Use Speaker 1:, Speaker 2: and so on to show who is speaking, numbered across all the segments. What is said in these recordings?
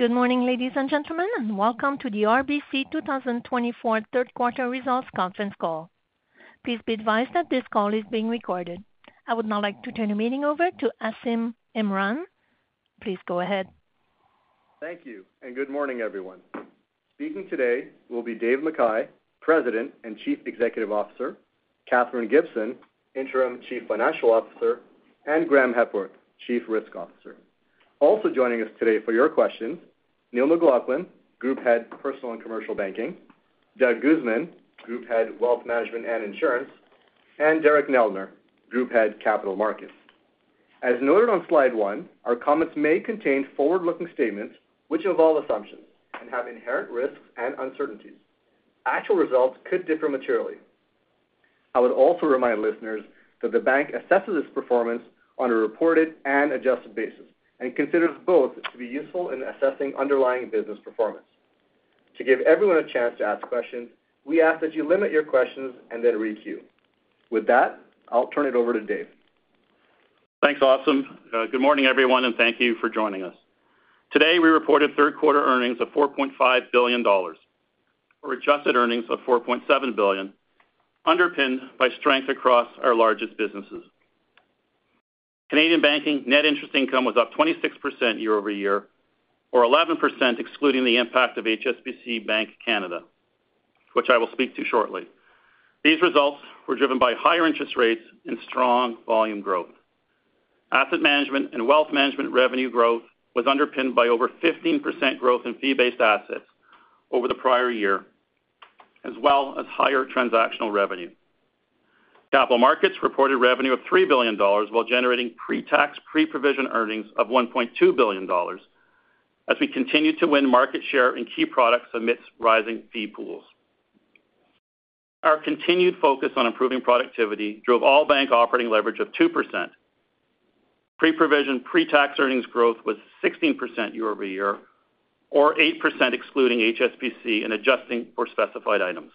Speaker 1: Good morning, ladies and gentlemen, and welcome to the RBC 2024 third quarter results conference call. Please be advised that this call is being recorded. I would now like to turn the meeting over to Asim Imran. Please go ahead.
Speaker 2: Thank you, and good morning, everyone. Speaking today will be Dave McKay, President and Chief Executive Officer, Katherine Gibson, Interim Chief Financial Officer, and Graeme Hepworth, Chief Risk Officer. Also joining us today for your questions, Neil McLaughlin, Group Head, Personal and Commercial Banking, Doug Guzman, Group Head, Wealth Management and Insurance, and Derek Neldner, Group Head, Capital Markets. As noted on slide one, our comments may contain forward-looking statements, which involve assumptions and have inherent risks and uncertainties. Actual results could differ materially. I would also remind listeners that the bank assesses its performance on a reported and adjusted basis and considers both to be useful in assessing underlying business performance. To give everyone a chance to ask questions, we ask that you limit your questions and then re-queue. With that, I'll turn it over to Dave.
Speaker 3: Thanks, Asim. Good morning, everyone, and thank you for joining us. Today, we reported third quarter earnings of 4.5 billion dollars, or adjusted earnings of 4.7 billion, underpinned by strength across our largest businesses. Canadian banking net interest income was up 26% year-over-year, or 11% excluding the impact of HSBC Bank Canada, which I will speak to shortly. These results were driven by higher interest rates and strong volume growth. Asset management and wealth management revenue growth was underpinned by over 15% growth in fee-based assets over the prior year, as well as higher transactional revenue. Capital markets reported revenue of 3 billion dollars while generating pre-tax, pre-provision earnings of 1.2 billion dollars as we continued to win market share in key products amidst rising fee pools. Our continued focus on improving productivity drove all-bank operating leverage of 2%. Pre-provision, pre-tax earnings growth was 16% year-over-year, or 8% excluding HSBC and adjusting for specified items.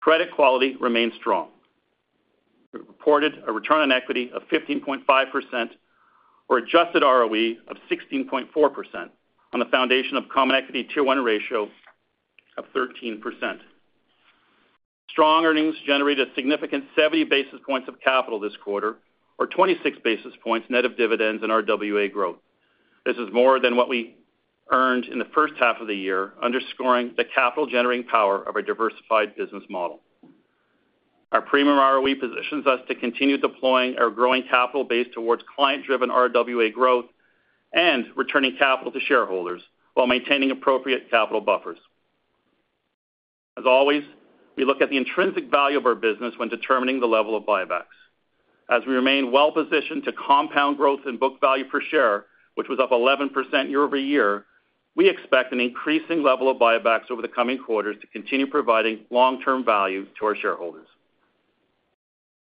Speaker 3: Credit quality remains strong. We reported a return on equity of 15.5% or adjusted ROE of 16.4% on the foundation of Common Equity Tier 1 ratio of 13%. Strong earnings generated significant 70 basis points of capital this quarter, or 26 basis points net of dividends and RWA growth. This is more than what we earned in the first half of the year, underscoring the capital-generating power of our diversified business model. Our premium ROE positions us to continue deploying our growing capital base towards client-driven RWA growth and returning capital to shareholders while maintaining appropriate capital buffers. As always, we look at the intrinsic value of our business when determining the level of buybacks. As we remain well-positioned to compound growth in book value per share, which was up 11% year-over-year, we expect an increasing level of buybacks over the coming quarters to continue providing long-term value to our shareholders.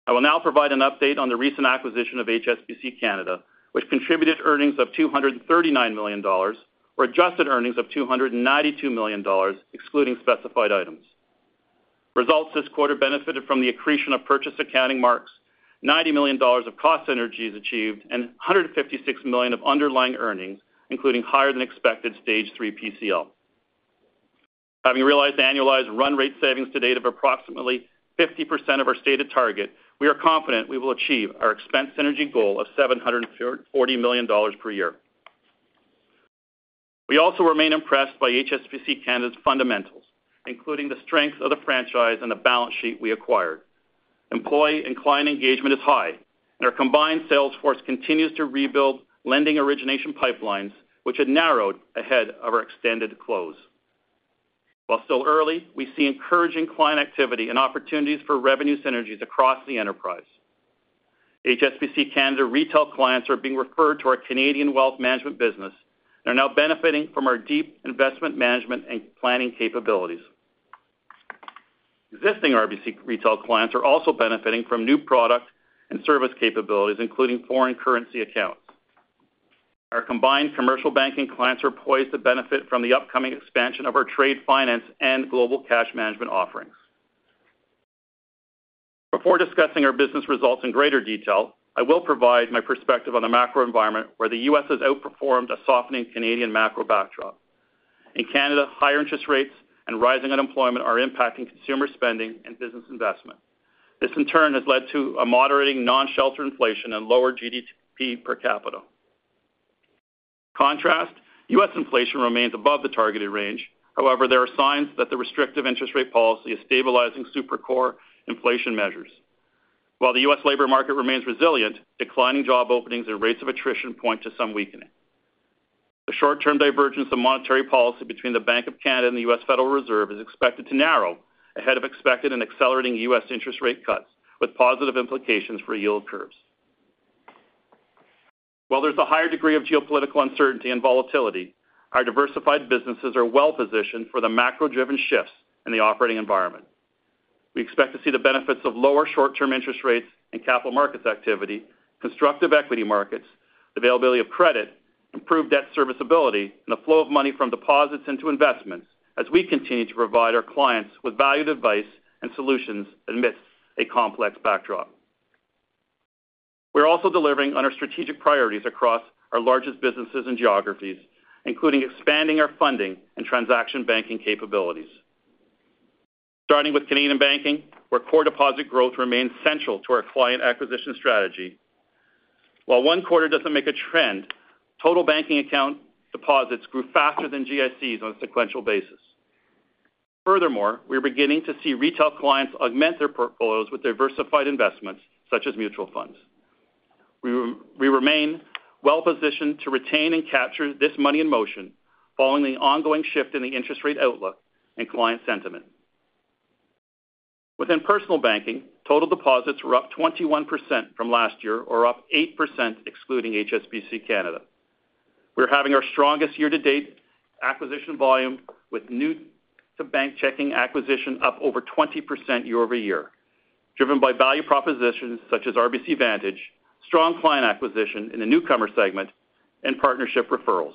Speaker 3: I will now provide an update on the recent acquisition of HSBC Canada, which contributed earnings of 239 million dollars, or adjusted earnings of 292 million dollars, excluding specified items. Results this quarter benefited from the accretion of purchase accounting marks, 90 million dollars of cost synergies achieved, and 156 million of underlying earnings, including higher-than-expected Stage 3 PCL. Having realized annualized run rate savings to date of approximately 50% of our stated target, we are confident we will achieve our expense synergy goal of 740 million dollars per year. We also remain impressed by HSBC Bank Canada's fundamentals, including the strength of the franchise and the balance sheet we acquired. Employee and client engagement is high, and our combined sales force continues to rebuild lending origination pipelines, which had narrowed ahead of our extended close. While still early, we see encouraging client activity and opportunities for revenue synergies across the enterprise. HSBC Bank Canada retail clients are being referred to our Canadian wealth management business and are now benefiting from our deep investment management and planning capabilities. Existing RBC retail clients are also benefiting from new product and service capabilities, including foreign currency accounts. Our combined commercial banking clients are poised to benefit from the upcoming expansion of our trade finance and global cash management offerings. Before discussing our business results in greater detail, I will provide my perspective on the macro environment, where the U.S. has outperformed a softening Canadian macro backdrop. In Canada, higher interest rates and rising unemployment are impacting consumer spending and business investment. This, in turn, has led to a moderating non-shelter inflation and lower GDP per capita. In contrast, U.S. inflation remains above the targeted range. However, there are signs that the restrictive interest rate policy is stabilizing super-core inflation measures. While the U.S. labor market remains resilient, declining job openings and rates of attrition point to some weakening. The short-term divergence of monetary policy between the Bank of Canada and the U.S. Federal Reserve is expected to narrow ahead of expected and accelerating U.S. interest rate cuts, with positive implications for yield curves. While there's a higher degree of geopolitical uncertainty and volatility, our diversified businesses are well-positioned for the macro-driven shifts in the operating environment. We expect to see the benefits of lower short-term interest rates and capital markets activity, constructive equity markets, availability of credit, improved debt serviceability, and the flow of money from deposits into investments as we continue to provide our clients with valued advice and solutions amidst a complex backdrop. We're also delivering on our strategic priorities across our largest businesses and geographies, including expanding our funding and transaction banking capabilities. Starting with Canadian banking, where core deposit growth remains central to our client acquisition strategy. While one quarter doesn't make a trend, total banking account deposits grew faster than GICs on a sequential basis. Furthermore, we are beginning to see retail clients augment their portfolios with diversified investments, such as mutual funds. We remain well-positioned to retain and capture this money in motion following the ongoing shift in the interest rate outlook and client sentiment. Within personal banking, total deposits were up 21% from last year or up 8%, excluding HSBC Canada. We're having our strongest year-to-date acquisition volume, with new-to-bank checking acquisition up over 20% year-over-year, driven by value propositions such as RBC Vantage, strong client acquisition in the newcomer segment, and partnership referrals.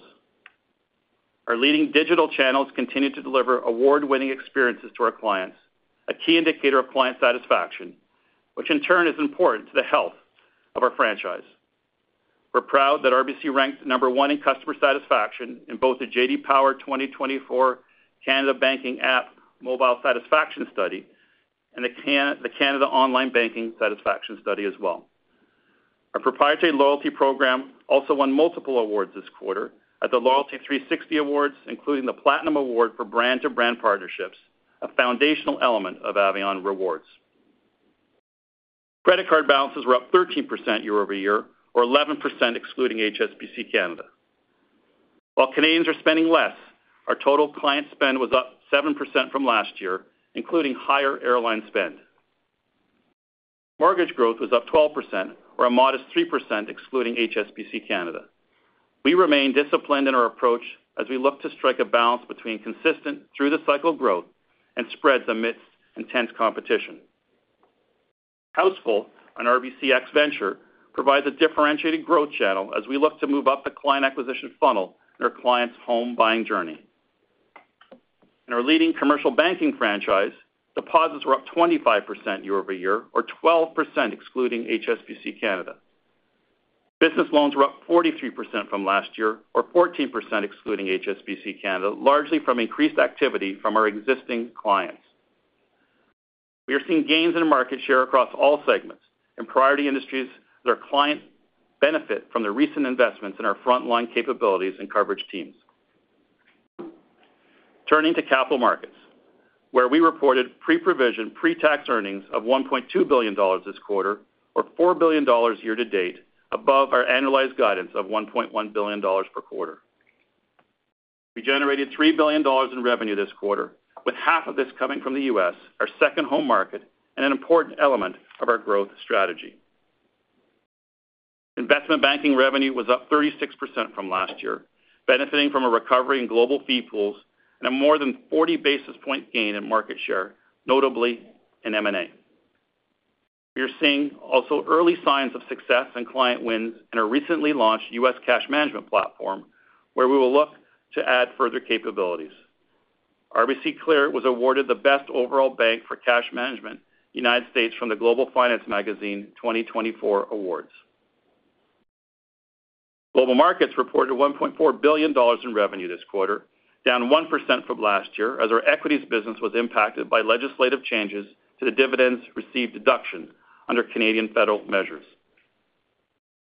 Speaker 3: Our leading digital channels continue to deliver award-winning experiences to our clients, a key indicator of client satisfaction, which in turn, is important to the health of our franchise. We're proud that RBC ranks number one in customer satisfaction in both the J.D. Power 2024 Canada Banking App Mobile Satisfaction Study and the Canada Online Banking Satisfaction Study as well. Our proprietary loyalty program also won multiple awards this quarter at the Loyalty360 Awards, including the Platinum Award for brand-to-brand partnerships, a foundational element of Avion Rewards. Credit card balances were up 13% year-over-year or 11% excluding HSBC Canada. While Canadians are spending less, our total client spend was up 7% from last year, including higher airline spend. Mortgage growth was up 12% or a modest 3% excluding HSBC Canada. We remain disciplined in our approach as we look to strike a balance between consistent through-the-cycle growth and spreads amidst intense competition. Houseful, an RBCx venture, provides a differentiated growth channel as we look to move up the client acquisition funnel in our client's home buying journey. In our leading commercial banking franchise, deposits were up 25% year-over-year or 12% excluding HSBC Canada. Business loans were up 43% from last year, or 14% excluding HSBC Canada, largely from increased activity from our existing clients. We are seeing gains in market share across all segments and priority industries as our clients benefit from the recent investments in our frontline capabilities and coverage teams. Turning to capital markets, where we reported pre-provision, pre-tax earnings of 1.2 billion dollars this quarter, or 4 billion dollars year to date, above our annualized guidance of 1.1 billion dollars per quarter. We generated 3 billion dollars in revenue this quarter, with half of this coming from the U.S., our second home market and an important element of our growth strategy. Investment banking revenue was up 36% from last year, benefiting from a recovery in global fee pools and a more than 40 basis point gain in market share, notably in M&A. We are seeing also early signs of success and client wins in a recently launched U.S. cash management platform, where we will look to add further capabilities. RBC Clear was awarded the best overall bank for cash management, United States, from the Global Finance 2024 awards. Global Markets reported 1.4 billion dollars in revenue this quarter, down 1% from last year, as our equities business was impacted by legislative changes to the dividends received deduction under Canadian federal measures.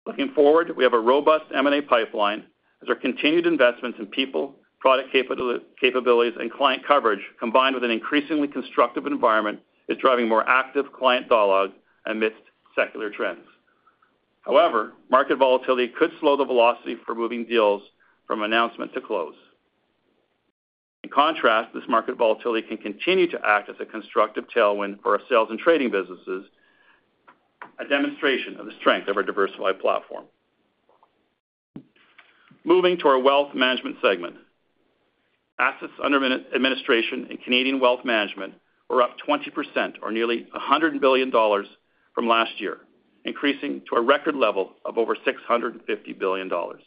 Speaker 3: Looking forward, we have a robust M&A pipeline as our continued investments in people, product capabilities, and client coverage, combined with an increasingly constructive environment, is driving more active client dialogue amidst secular trends. However, market volatility could slow the velocity for moving deals from announcement to close. In contrast, this market volatility can continue to act as a constructive tailwind for our sales and trading businesses, a demonstration of the strength of our diversified platform. Moving to our wealth management segment. Assets under administration and Canadian wealth management were up 20% or nearly 100 billion dollars from last year, increasing to a record level of over 650 billion dollars.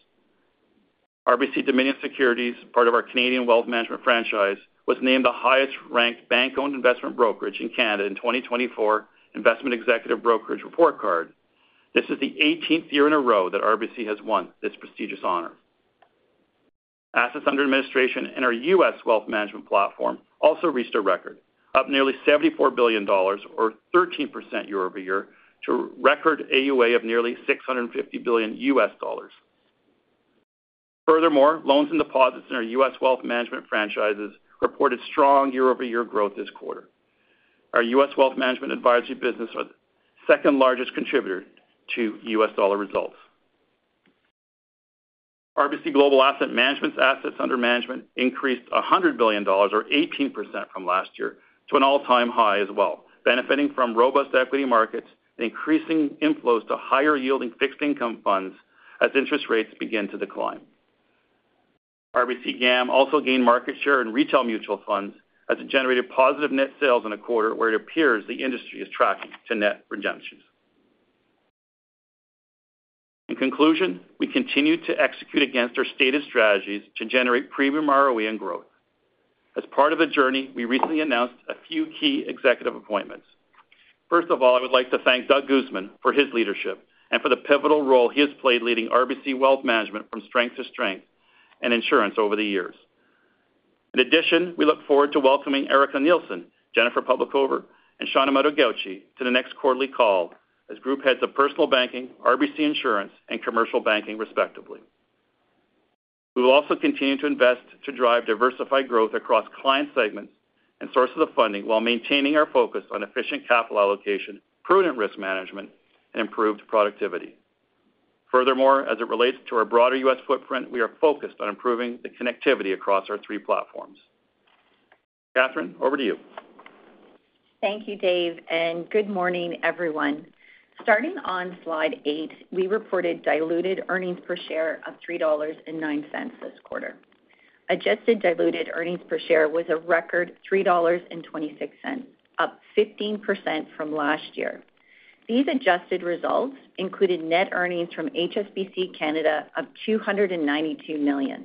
Speaker 3: RBC Dominion Securities, part of our Canadian wealth management franchise, was named the highest-ranked bank-owned investment brokerage in Canada in 2024 Investment Executive Brokerage Report Card. This is the 18th year in a row that RBC has won this prestigious honor. Assets under administration in our U.S. wealth management platform also reached a record, up nearly $74 billion or 13% year-over-year, to a record AUA of nearly $650 billion. Furthermore, loans and deposits in our U.S. wealth management franchises reported strong year-over-year growth this quarter. Our U.S. wealth management advisory business are the second largest contributor to U.S. dollar results. RBC Global Asset Management's assets under management increased $100 billion or 18% from last year to an all-time high as well, benefiting from robust equity markets and increasing inflows to higher-yielding fixed income funds as interest rates begin to decline. RBC GAM also gained market share in retail mutual funds, as it generated positive net sales in a quarter where it appears the industry is tracking to net redemptions. In conclusion, we continue to execute against our stated strategies to generate premium ROE and growth. As part of the journey, we recently announced a few key executive appointments. First of all, I would like to thank Doug Guzman for his leadership and for the pivotal role he has played leading RBC Wealth Management from strength to strength and insurance over the years. In addition, we look forward to welcoming Erica Nielsen, Jennifer Publicover, and Sean Amato-Gauci to the next quarterly call as group heads of personal banking, RBC Insurance, and commercial banking, respectively. We will also continue to invest to drive diversified growth across client segments and sources of funding, while maintaining our focus on efficient capital allocation, prudent risk management, and improved productivity. Furthermore, as it relates to our broader U.S. footprint, we are focused on improving the connectivity across our three platforms. Katherine, over to you.
Speaker 4: Thank you, Dave, and good morning everyone. Starting on slide eight, we reported diluted earnings per share of 3.09 dollars this quarter. Adjusted diluted earnings per share was a record 3.26 dollars, up 15% from last year. These adjusted results included net earnings from HSBC Canada of 292 million.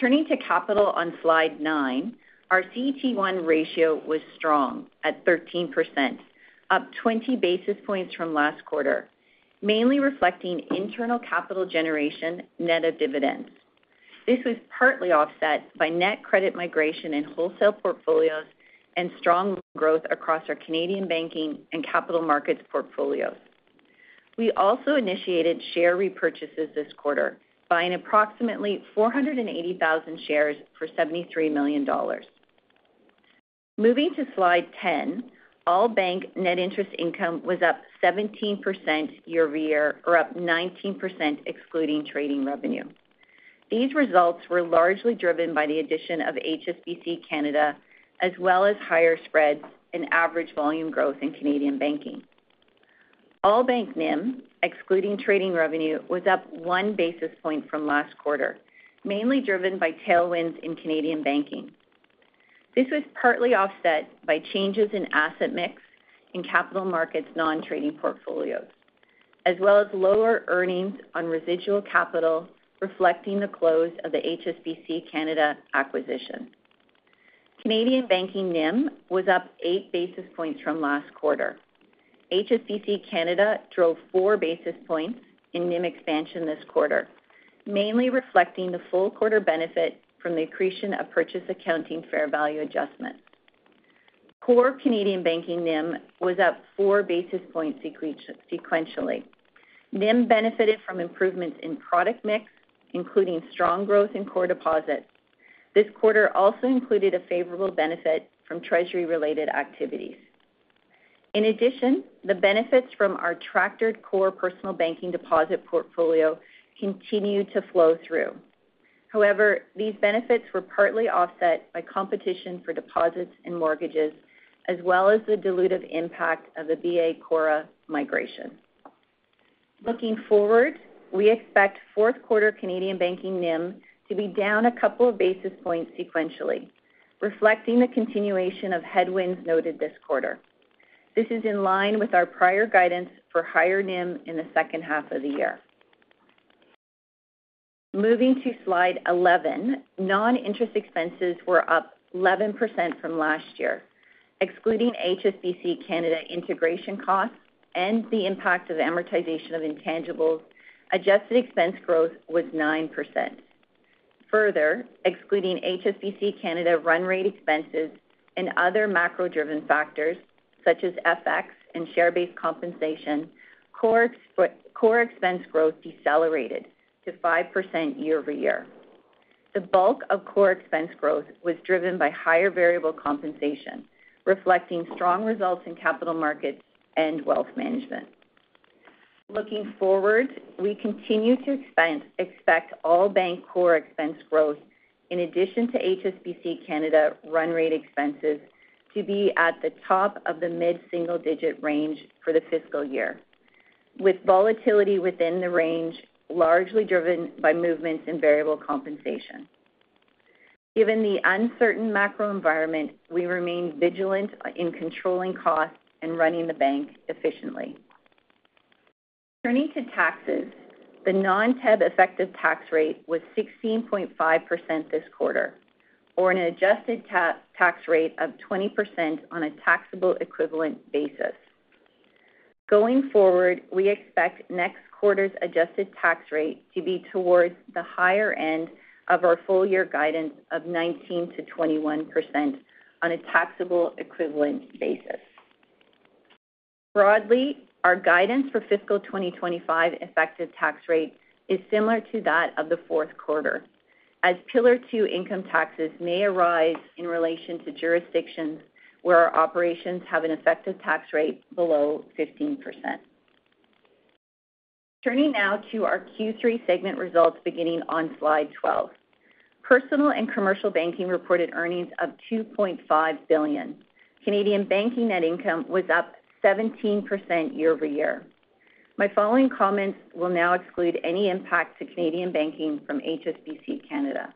Speaker 4: Turning to capital on slide nine, our CET1 ratio was strong at 13%, up 20 basis points from last quarter, mainly reflecting internal capital generation net of dividends. This was partly offset by net credit migration in wholesale portfolios and strong growth across our Canadian banking and capital markets portfolios. We also initiated share repurchases this quarter, buying approximately 480,000 shares for 73 million dollars. Moving to slide ten, all bank net interest income was up 17% year-over-year, or up 19%, excluding trading revenue. These results were largely driven by the addition of HSBC Canada, as well as higher spreads and average volume growth in Canadian banking. All bank NIM, excluding trading revenue, was up one basis point from last quarter, mainly driven by tailwinds in Canadian banking. This was partly offset by changes in asset mix in capital markets non-trading portfolios, as well as lower earnings on residual capital, reflecting the close of the HSBC Canada acquisition. Canadian banking NIM was up eight basis points from last quarter. HSBC Canada drove four basis points in NIM expansion this quarter, mainly reflecting the full quarter benefit from the accretion of purchase accounting fair value adjustment. Core Canadian banking NIM was up four basis points sequentially. NIM benefited from improvements in product mix, including strong growth in core deposits. This quarter also included a favorable benefit from treasury-related activities. In addition, the benefits from our tractored core personal banking deposit portfolio continued to flow through. However, these benefits were partly offset by competition for deposits and mortgages, as well as the dilutive impact of the BA CORRA migration. Looking forward, we expect fourth quarter Canadian banking NIM to be down a couple of basis points sequentially, reflecting the continuation of headwinds noted this quarter. This is in line with our prior guidance for higher NIM in the second half of the year. Moving to slide 11, non-interest expenses were up 11% from last year, excluding HSBC Canada integration costs and the impact of amortization of intangibles, adjusted expense growth was 9%. Further, excluding HSBC Canada run rate expenses and other macro-driven factors, such as FX and share-based compensation, core expense growth decelerated to 5% year-over-year. The bulk of core expense growth was driven by higher variable compensation, reflecting strong results in capital markets and wealth management. Looking forward, we continue to expect all bank core expense growth, in addition to HSBC Canada run rate expenses, to be at the top of the mid-single digit range for the fiscal year, with volatility within the range largely driven by movements in variable compensation. Given the uncertain macro environment, we remain vigilant in controlling costs and running the bank efficiently. Turning to taxes, the non-TEB effective tax rate was 16.5% this quarter, or an adjusted tax rate of 20% on a taxable equivalent basis. Going forward, we expect next quarter's adjusted tax rate to be towards the higher end of our full year guidance of 19%-21% on a taxable equivalent basis. Broadly, our guidance for fiscal 2025 effective tax rate is similar to that of the fourth quarter, as Pillar Two income taxes may arise in relation to jurisdictions where our operations have an effective tax rate below 15%. Turning now to our Q3 segment results beginning on slide 12. Personal and commercial banking reported earnings of 2.5 billion Canadian dollars. Canadian banking net income was up 17% year-over-year. My following comments will now exclude any impact to Canadian banking from HSBC Canada.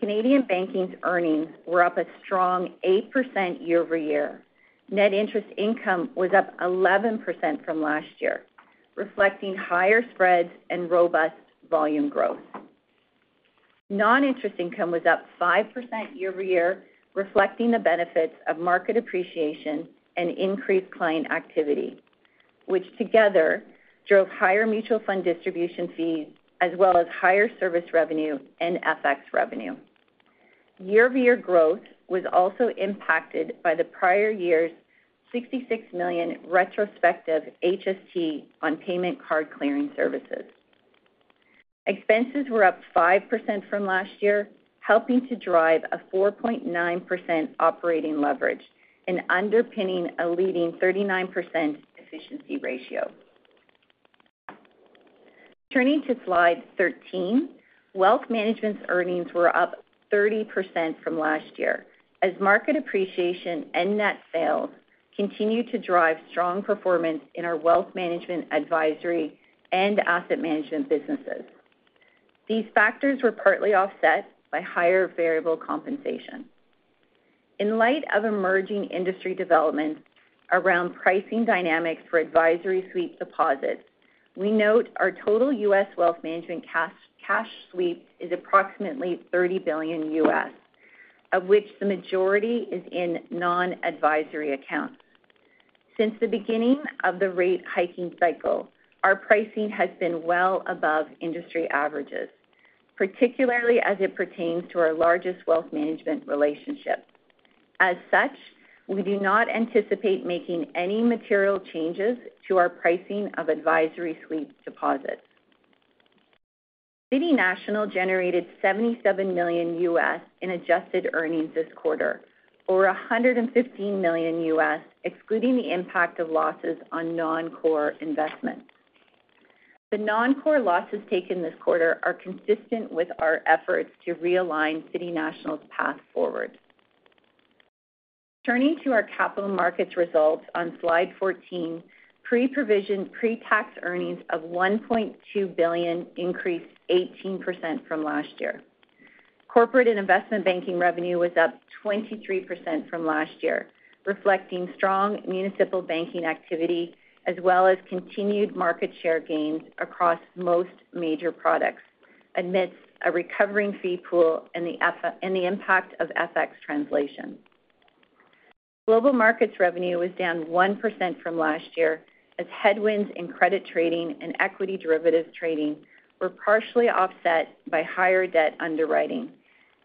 Speaker 4: Canadian banking's earnings were up a strong 8% year-over-year. Net interest income was up 11% from last year, reflecting higher spreads and robust volume growth. Non-interest income was up 5% year-over-year, reflecting the benefits of market appreciation and increased client activity, which together drove higher mutual fund distribution fees, as well as higher service revenue and FX revenue. Year-over-year growth was also impacted by the prior year's 66 million retrospective HST on payment card clearing services. Expenses were up 5% from last year, helping to drive a 4.9% operating leverage and underpinning a leading 39% efficiency ratio. Turning to slide 13, Wealth Management's earnings were up 30% from last year, as market appreciation and net sales continued to drive strong performance in our wealth management advisory and asset management businesses. These factors were partly offset by higher variable compensation. In light of emerging industry developments around pricing dynamics for advisory sweep deposits, we note our total U.S. wealth management cash, cash sweep is approximately $30 billion, of which the majority is in non-advisory accounts. Since the beginning of the rate hiking cycle, our pricing has been well above industry averages, particularly as it pertains to our largest wealth management relationship. As such, we do not anticipate making any material changes to our pricing of advisory sweep deposits. City National generated $77 million in adjusted earnings this quarter, or $115 million, excluding the impact of losses on non-core investments. The non-core losses taken this quarter are consistent with our efforts to realign City National's path forward. Turning to our capital markets results on slide 14, pre-provision, pre-tax earnings of 1.2 billion increased 18% from last year. Corporate and investment banking revenue was up 23% from last year, reflecting strong municipal banking activity, as well as continued market share gains across most major products, amidst a recovering fee pool and the FX and the impact of FX translation. Global markets revenue was down 1% from last year, as headwinds in credit trading and equity derivatives trading were partially offset by higher debt underwriting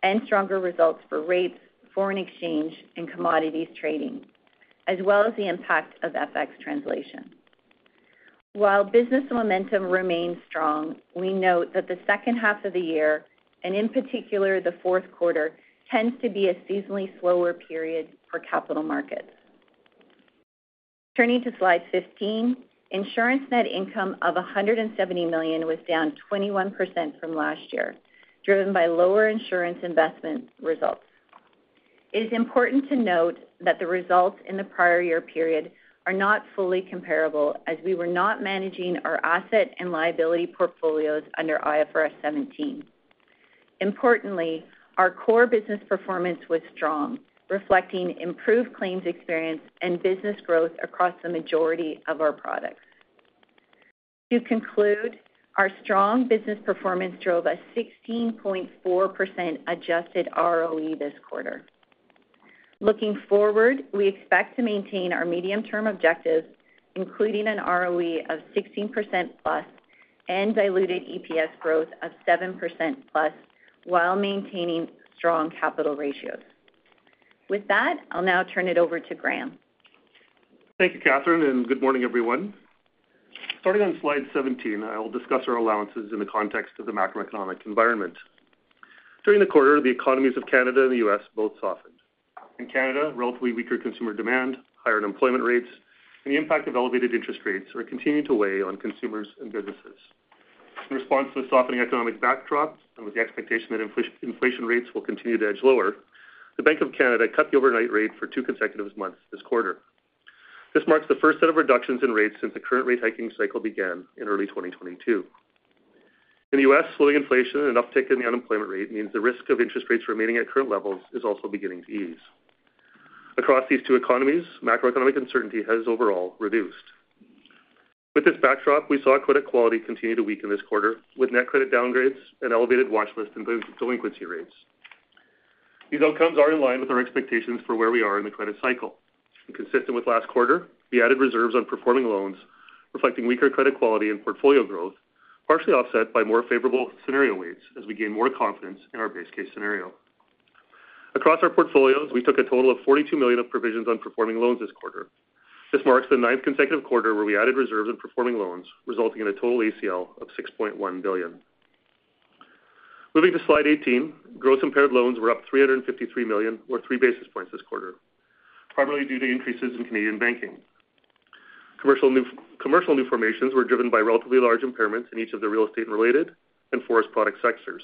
Speaker 4: and stronger results for rates, foreign exchange, and commodities trading, as well as the impact of FX translation. While business momentum remains strong, we note that the second half of the year, and in particular, the fourth quarter, tends to be a seasonally slower period for capital markets. Turning to slide 15, insurance net income of 170 million was down 21% from last year, driven by lower insurance investment results. It is important to note that the results in the prior year period are not fully comparable, as we were not managing our asset and liability portfolios under IFRS 17. Importantly, our core business performance was strong, reflecting improved claims experience and business growth across the majority of our products. To conclude, our strong business performance drove a 16.4% adjusted ROE this quarter. Looking forward, we expect to maintain our medium-term objectives, including an ROE of 16%+ and diluted EPS growth of 7%+, while maintaining strong capital ratios. With that, I'll now turn it over to Graeme.
Speaker 5: Thank you, Katherine, and good morning, everyone. Starting on slide 17, I will discuss our allowances in the context of the macroeconomic environment. During the quarter, the economies of Canada and the U.S. both softened. In Canada, relatively weaker consumer demand, higher unemployment rates, and the impact of elevated interest rates are continuing to weigh on consumers and businesses. In response to the softening economic backdrop, and with the expectation that inflation rates will continue to edge lower, the Bank of Canada cut the overnight rate for two consecutive months this quarter. This marks the first set of reductions in rates since the current rate hiking cycle began in early 2022. In the U.S., slowing inflation and an uptick in the unemployment rate means the risk of interest rates remaining at current levels is also beginning to ease. Across these two economies, macroeconomic uncertainty has overall reduced. With this backdrop, we saw credit quality continue to weaken this quarter, with net credit downgrades and elevated watchlist and delinquency rates. These outcomes are in line with our expectations for where we are in the credit cycle, and consistent with last quarter, we added reserves on performing loans, reflecting weaker credit quality and portfolio growth, partially offset by more favorable scenario weights as we gain more confidence in our base case scenario. Across our portfolios, we took a total of 42 million of provisions on performing loans this quarter. This marks the ninth consecutive quarter where we added reserves on performing loans, resulting in a total ACL of 6.1 billion. Moving to slide 18, gross impaired loans were up 353 million, or 3 basis points this quarter, primarily due to increases in Canadian banking. Commercial new formations were driven by relatively large impairments in each of the real estate-related and forest product sectors.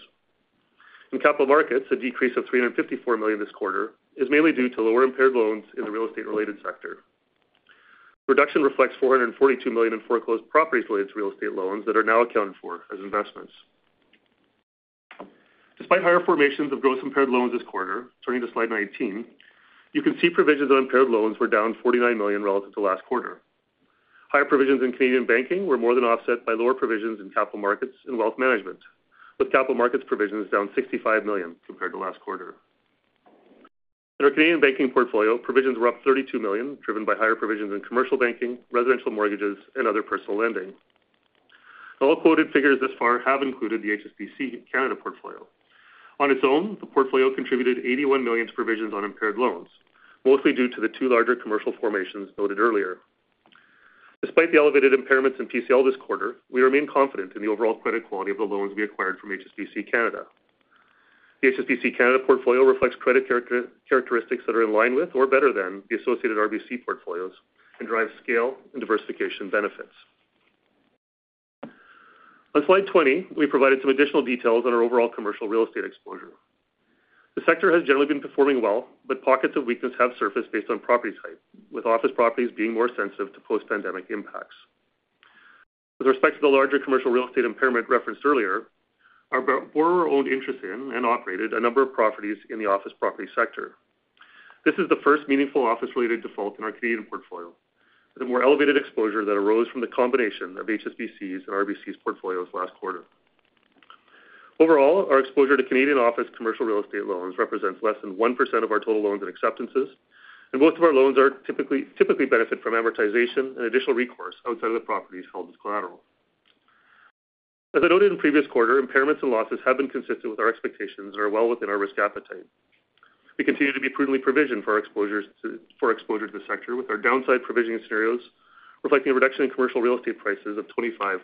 Speaker 5: In capital markets, a decrease of 354 million this quarter is mainly due to lower impaired loans in the real estate-related sector. Reduction reflects 442 million in foreclosed properties related to real estate loans that are now accounted for as investments. Despite higher formations of gross impaired loans this quarter, turning to slide 19, you can see provisions on impaired loans were down 49 million relative to last quarter. Higher provisions in Canadian banking were more than offset by lower provisions in capital markets and wealth management, with capital markets provisions down 65 million compared to last quarter. In our Canadian banking portfolio, provisions were up 32 million, driven by higher provisions in commercial banking, residential mortgages, and other personal lending. All quoted figures thus far have included the HSBC Canada portfolio. On its own, the portfolio contributed 81 million to provisions on impaired loans, mostly due to the two larger commercial formations noted earlier. Despite the elevated impairments in PCL this quarter, we remain confident in the overall credit quality of the loans we acquired from HSBC Canada. The HSBC Canada portfolio reflects credit characteristics that are in line with or better than the associated RBC portfolios and drives scale and diversification benefits. On slide 20, we provided some additional details on our overall commercial real estate exposure. The sector has generally been performing well, but pockets of weakness have surfaced based on property type, with office properties being more sensitive to post-pandemic impacts. With respect to the larger commercial real estate impairment referenced earlier, our borrower owned interest in and operated a number of properties in the office property sector. This is the first meaningful office-related default in our Canadian portfolio, with a more elevated exposure that arose from the combination of HSBC's and RBC's portfolios last quarter. Overall, our exposure to Canadian office commercial real estate loans represents less than 1% of our total loans and acceptances, and most of our loans are typically benefit from amortization and additional recourse outside of the properties held as collateral. As I noted in the previous quarter, impairments and losses have been consistent with our expectations and are well within our risk appetite. We continue to be prudently provisioned for our exposures to the sector, with our downside provisioning scenarios reflecting a reduction in commercial real estate prices of 25%-40%.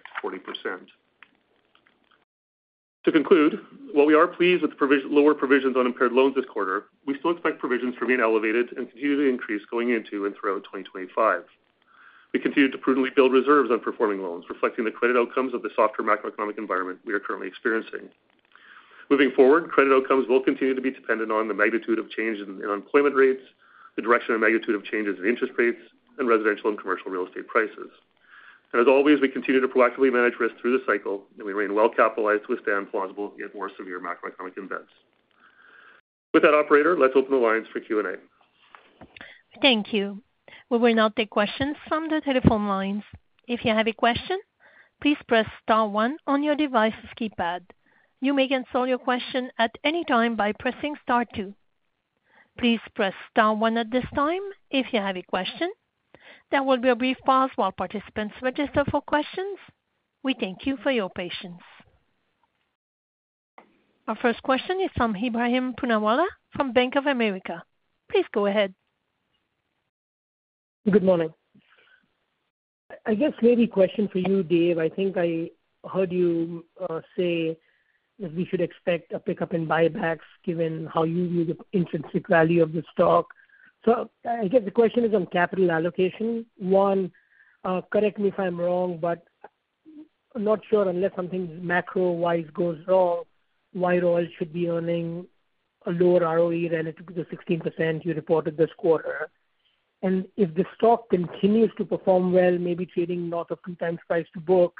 Speaker 5: To conclude, while we are pleased with the lower provisions on impaired loans this quarter, we still expect provisions to remain elevated and continue to increase going into and throughout 2025. We continued to prudently build reserves on performing loans, reflecting the credit outcomes of the softer macroeconomic environment we are currently experiencing. Moving forward, credit outcomes will continue to be dependent on the magnitude of change in unemployment rates, the direction and magnitude of changes in interest rates, and residential and commercial real estate prices, and as always, we continue to proactively manage risk through the cycle, and we remain well capitalized to withstand plausible, yet more severe macroeconomic events. With that, operator, let's open the lines for Q&A.
Speaker 1: Thank you. We will now take questions from the telephone lines. If you have a question, please press star one on your device's keypad. You may cancel your question at any time by pressing star two. Please press star one at this time if you have a question. There will be a brief pause while participants register for questions. We thank you for your patience. Our first question is from Ebrahim Poonawala from Bank of America. Please go ahead.
Speaker 6: Good morning. I guess maybe a question for you, Dave. I think I heard you say that we should expect a pickup in buybacks, given how you view the intrinsic value of the stock. So I guess the question is on capital allocation. One, correct me if I'm wrong, but I'm not sure, unless something macro-wise goes wrong, why Royal should be earning a lower ROE than the 16% you reported this quarter? And if the stock continues to perform well, maybe trading north of two times price to book,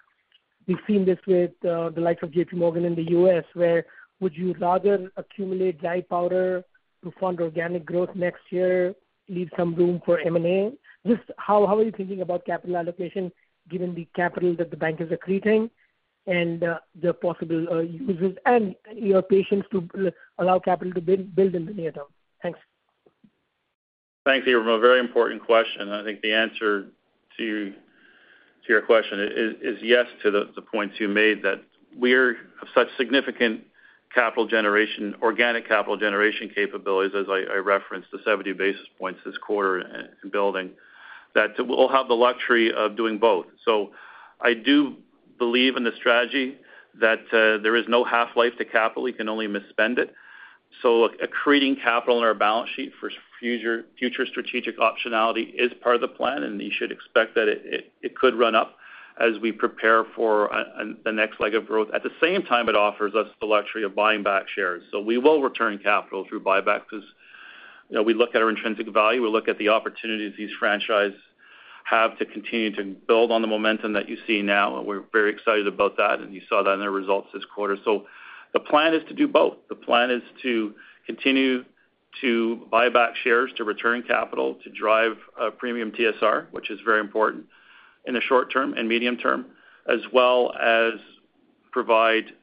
Speaker 6: we've seen this with the likes of JPMorgan in the U.S., where would you rather accumulate dry powder to fund organic growth next year, leave some room for M&A? Just how are you thinking about capital allocation, given the capital that the bank is accreting and the possible uses and your patience to allow capital to build in the near term? Thanks.
Speaker 3: Thanks, Ebrahim. A very important question, and I think the answer to your question is yes, to the points you made, that we're of such significant capital generation, organic capital generation capabilities, as I referenced the seventy basis points this quarter in building, that we'll have the luxury of doing both. So I do believe in the strategy that there is no half-life to capital, you can only misspend it. So accreting capital on our balance sheet for future strategic optionality is part of the plan, and you should expect that it could run up as we prepare for the next leg of growth. At the same time, it offers us the luxury of buying back shares. So we will return capital through buybacks because, you know, we look at our intrinsic value, we look at the opportunities these franchise have to continue to build on the momentum that you see now, and we're very excited about that, and you saw that in the results this quarter. So the plan is to do both. The plan is to continue to buy back shares, to return capital, to drive a premium TSR, which is very important in the short term and medium term, as well as provide, you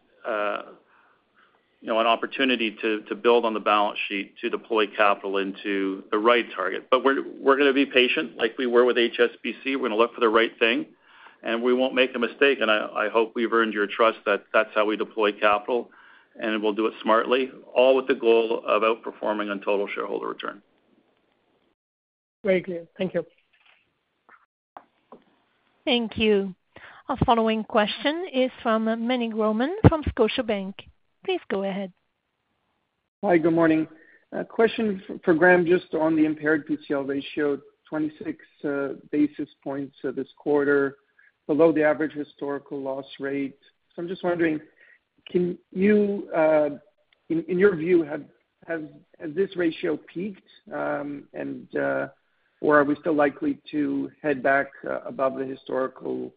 Speaker 3: know, an opportunity to build on the balance sheet, to deploy capital into the right target. But we're gonna be patient like we were with HSBC. We're gonna look for the right thing, and we won't make a mistake, and I, I hope we've earned your trust that that's how we deploy capital, and we'll do it smartly, all with the goal of outperforming on Total Shareholder Return.
Speaker 6: Very clear. Thank you.
Speaker 1: Thank you. Our following question is from Meny Grauman from Scotiabank. Please go ahead.
Speaker 7: Hi, good morning. A question for Graeme, just on the impaired PCL ratio, 26 basis points, this quarter, below the average historical loss rate. So I'm just wondering, can you... In your view, has this ratio peaked, and or are we still likely to head back above the historical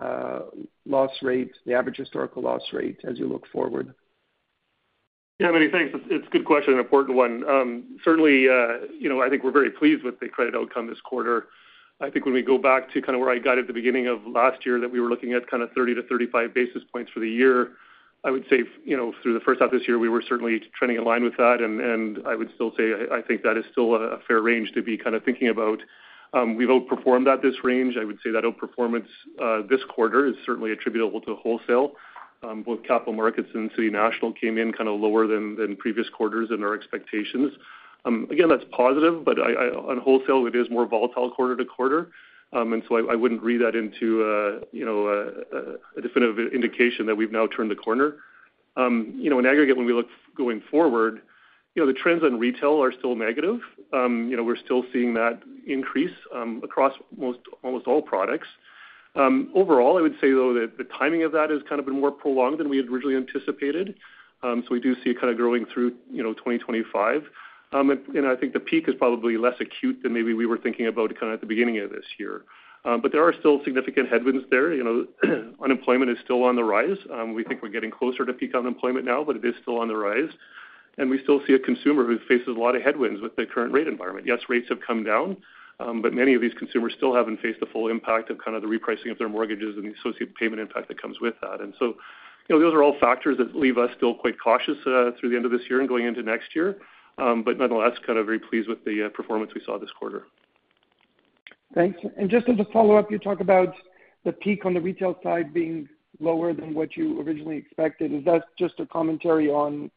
Speaker 7: loss rate... loss rate, the average historical loss rate as you look forward?
Speaker 5: Yeah, Meny, thanks. It's a good question, an important one. Certainly, you know, I think we're very pleased with the credit outcome this quarter. I think when we go back to kind of where I got at the beginning of last year, that we were looking at kind of 30-35 basis points for the year, I would say, you know, through the first half of this year, we were certainly trending in line with that, and I would still say I think that is still a fair range to be kind of thinking about. We've outperformed at this range. I would say that outperformance this quarter is certainly attributable to wholesale. Both Capital Markets and City National came in kind of lower than previous quarters and our expectations. Again, that's positive, but on wholesale, it is more volatile quarter to quarter. And so I wouldn't read that into you know, a definitive indication that we've now turned the corner. You know, in aggregate, when we look going forward, you know, the trends on retail are still negative. You know, we're still seeing that increase across almost all products. Overall, I would say, though, that the timing of that has kind of been more prolonged than we had originally anticipated. So we do see it kind of growing through you know, 2025. And I think the peak is probably less acute than maybe we were thinking about kind of at the beginning of this year. But there are still significant headwinds there. You know, unemployment is still on the rise. We think we're getting closer to peak unemployment now, but it is still on the rise. And we still see a consumer who faces a lot of headwinds with the current rate environment. Yes, rates have come down, but many of these consumers still haven't faced the full impact of kind of the repricing of their mortgages and the associated payment impact that comes with that. And so, you know, those are all factors that leave us still quite cautious, through the end of this year and going into next year. But nonetheless, kind of very pleased with the, performance we saw this quarter.
Speaker 7: Thanks. And just as a follow-up, you talk about the peak on the retail side being lower than what you originally expected. Is that just a commentary on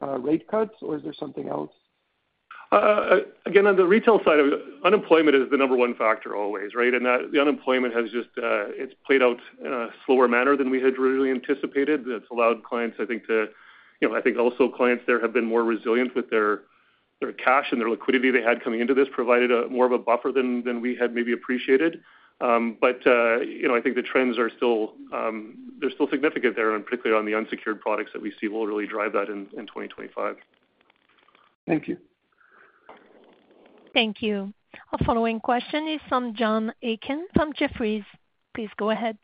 Speaker 7: rate cuts, or is there something else?
Speaker 5: Again, on the retail side, unemployment is the number one factor always, right? And that, the unemployment has just, it's played out in a slower manner than we had really anticipated. It's allowed clients, I think, to... You know, I think also clients there have been more resilient with their cash and their liquidity they had coming into this, provided a, more of a buffer than we had maybe appreciated. But, you know, I think the trends are still, they're still significant there, and particularly on the unsecured products that we see will really drive that in 2025.
Speaker 7: Thank you.
Speaker 1: Thank you. Our following question is from John Aiken from Jefferies. Please go ahead.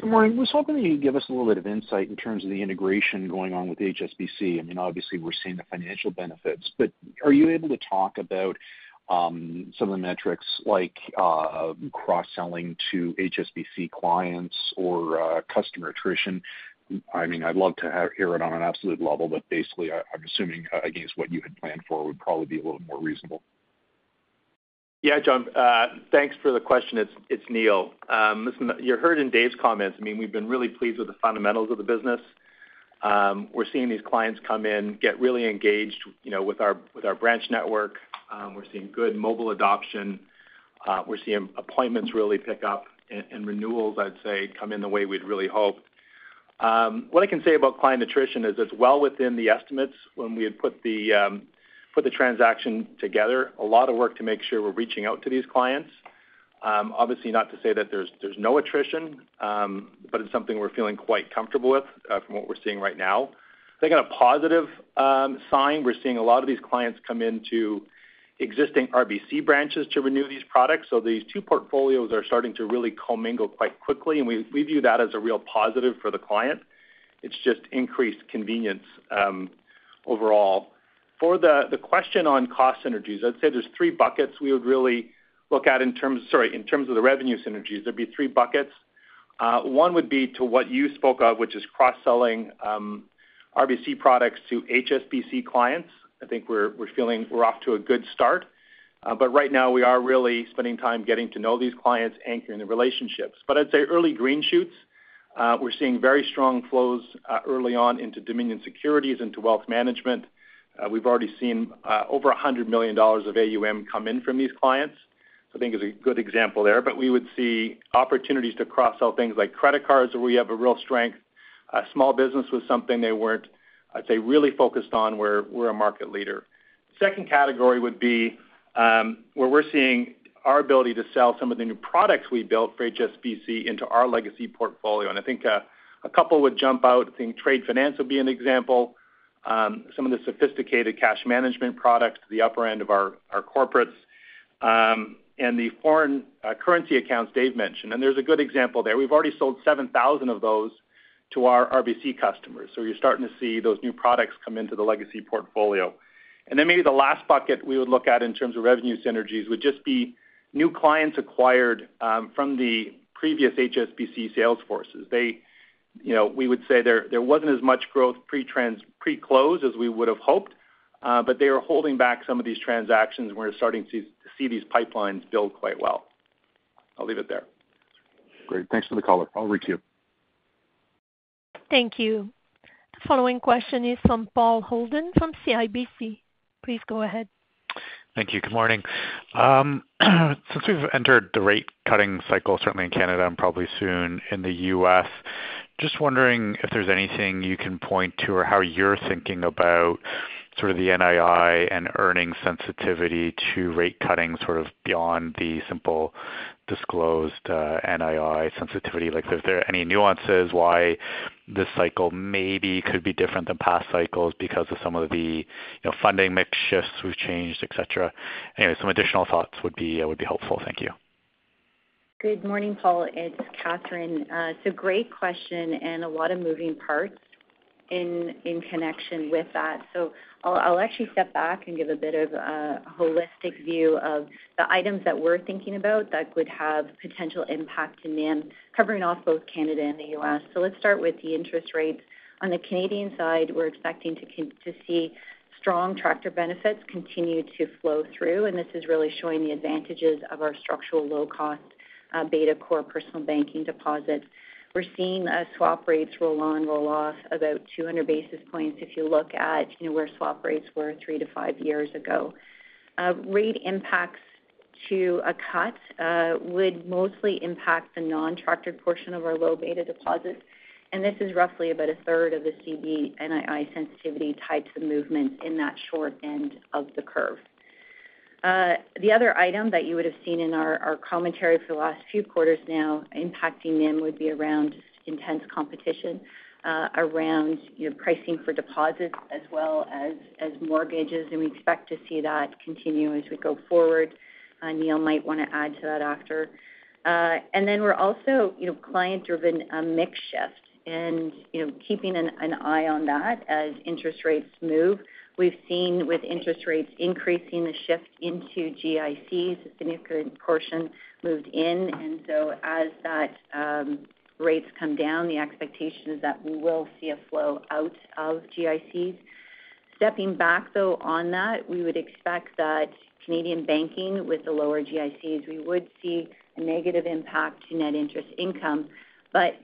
Speaker 8: Good morning. I was hoping you could give us a little bit of insight in terms of the integration going on with HSBC. I mean, obviously, we're seeing the financial benefits, but are you able to talk about some of the metrics like cross-selling to HSBC clients or customer attrition? I mean, I'd love to hear it on an absolute level, but basically, I'm assuming against what you had planned for would probably be a little more reasonable.
Speaker 9: Yeah, John, thanks for the question. It's Neil. Listen, you heard in Dave's comments, I mean, we've been really pleased with the fundamentals of the business. We're seeing these clients come in, get really engaged, you know, with our branch network. We're seeing good mobile adoption. We're seeing appointments really pick up, and renewals, I'd say, come in the way we'd really hoped. What I can say about client attrition is it's well within the estimates when we had put the transaction together. A lot of work to make sure we're reaching out to these clients. Obviously, not to say that there's no attrition, but it's something we're feeling quite comfortable with, from what we're seeing right now. I think on a positive sign, we're seeing a lot of these clients come into existing RBC branches to renew these products. These two portfolios are starting to really commingle quite quickly, and we view that as a real positive for the client. It's just increased convenience overall. For the question on cost synergies, I'd say there's three buckets we would really look at in terms of the revenue synergies, there'd be three buckets. One would be to what you spoke of, which is cross-selling RBC products to HSBC clients. I think we're feeling we're off to a good start. But right now we are really spending time getting to know these clients, anchoring the relationships. But I'd say early green shoots, we're seeing very strong flows early on into Dominion Securities, into wealth management. We've already seen over 100 million dollars of AUM come in from these clients. So I think it's a good example there, but we would see opportunities to cross-sell things like credit cards, where we have a real strength. Small business was something they weren't, I'd say, really focused on, where we're a market leader. Second category would be where we're seeing our ability to sell some of the new products we built for HSBC into our legacy portfolio, and I think a couple would jump out. I think trade finance would be an example. Some of the sophisticated cash management products, the upper end of our corporates, and the foreign currency accounts Dave mentioned, and there's a good example there. We've already sold 7,000 of those to our RBC customers, so you're starting to see those new products come into the legacy portfolio. And then maybe the last bucket we would look at in terms of revenue synergies would just be new clients acquired from the previous HSBC sales forces. They, you know, we would say there wasn't as much growth pre-close as we would have hoped, but they are holding back some of these transactions, and we're starting to see these pipelines build quite well. I'll leave it there. Great. Thanks for the color. I'll requeue.
Speaker 1: Thank you. The following question is from Paul Holden from CIBC. Please go ahead.
Speaker 10: Thank you. Good morning. Since we've entered the rate cutting cycle, certainly in Canada and probably soon in the U.S., just wondering if there's anything you can point to or how you're thinking about sort of the NII and earnings sensitivity to rate cutting, sort of beyond the simple disclosed NII sensitivity? Like, is there any nuances why this cycle maybe could be different than past cycles because of some of the, you know, funding mix shifts we've changed, et cetera. Anyway, some additional thoughts would be helpful. Thank you.
Speaker 4: Good morning, Paul. It's Katherine. It's a great question, and a lot of moving parts in connection with that. So I'll actually step back and give a bit of holistic view of the items that we're thinking about that could have potential impact in NIM, covering off both Canada and the U.S. So let's start with the interest rates. On the Canadian side, we're expecting to see strong tractor benefits continue to flow through, and this is really showing the advantages of our structural low-cost beta core personal banking deposits. We're seeing swap rates roll on, roll off about two hundred basis points if you look at, you know, where swap rates were three to five years ago. Rate impacts to a cut would mostly impact the non-tractored portion of our low beta deposits, and this is roughly about 1/3 of the CDN NII sensitivity types of movement in that short end of the curve. The other item that you would have seen in our commentary for the last few quarters now, impacting NIM would be around intense competition, you know, pricing for deposits as well as mortgages, and we expect to see that continue as we go forward. Neil might want to add to that after, and then we're also, you know, client-driven on mix shift and, you know, keeping an eye on that as interest rates move. We've seen with interest rates increasing the shift into GICs, a significant portion moved in, and so as that, rates come down, the expectation is that we will see a flow out of GICs. Stepping back, though, on that, we would expect that Canadian banking with the lower GICs, we would see a negative impact to net interest income, but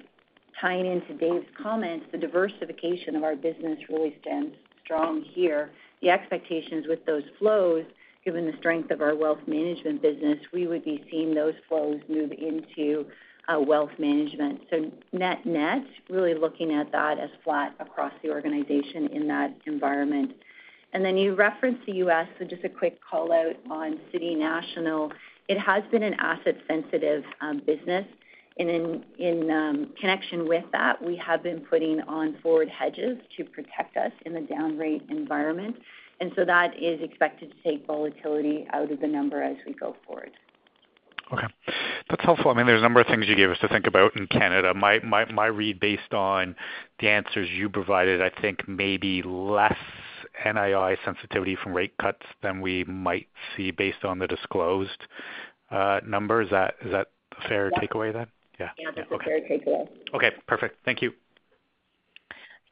Speaker 4: tying into Dave's comments, the diversification of our business really stands strong here. The expectations with those flows, given the strength of our wealth management business, we would be seeing those flows move into, wealth management, so net-net, really looking at that as flat across the organization in that environment, and then you referenced the U.S., so just a quick call-out on City National. It has been an asset-sensitive business, and in connection with that, we have been putting on forward hedges to protect us in the down rate environment. And so that is expected to take volatility out of the number as we go forward.
Speaker 10: Okay. That's helpful. I mean, there's a number of things you gave us to think about in Canada. My read, based on the answers you provided, I think maybe less NII sensitivity from rate cuts than we might see based on the disclosed numbers. Is that a fair takeaway then?
Speaker 4: Yes.
Speaker 11: Yeah.
Speaker 4: Yeah, that's a fair takeaway.
Speaker 10: Okay, perfect. Thank you.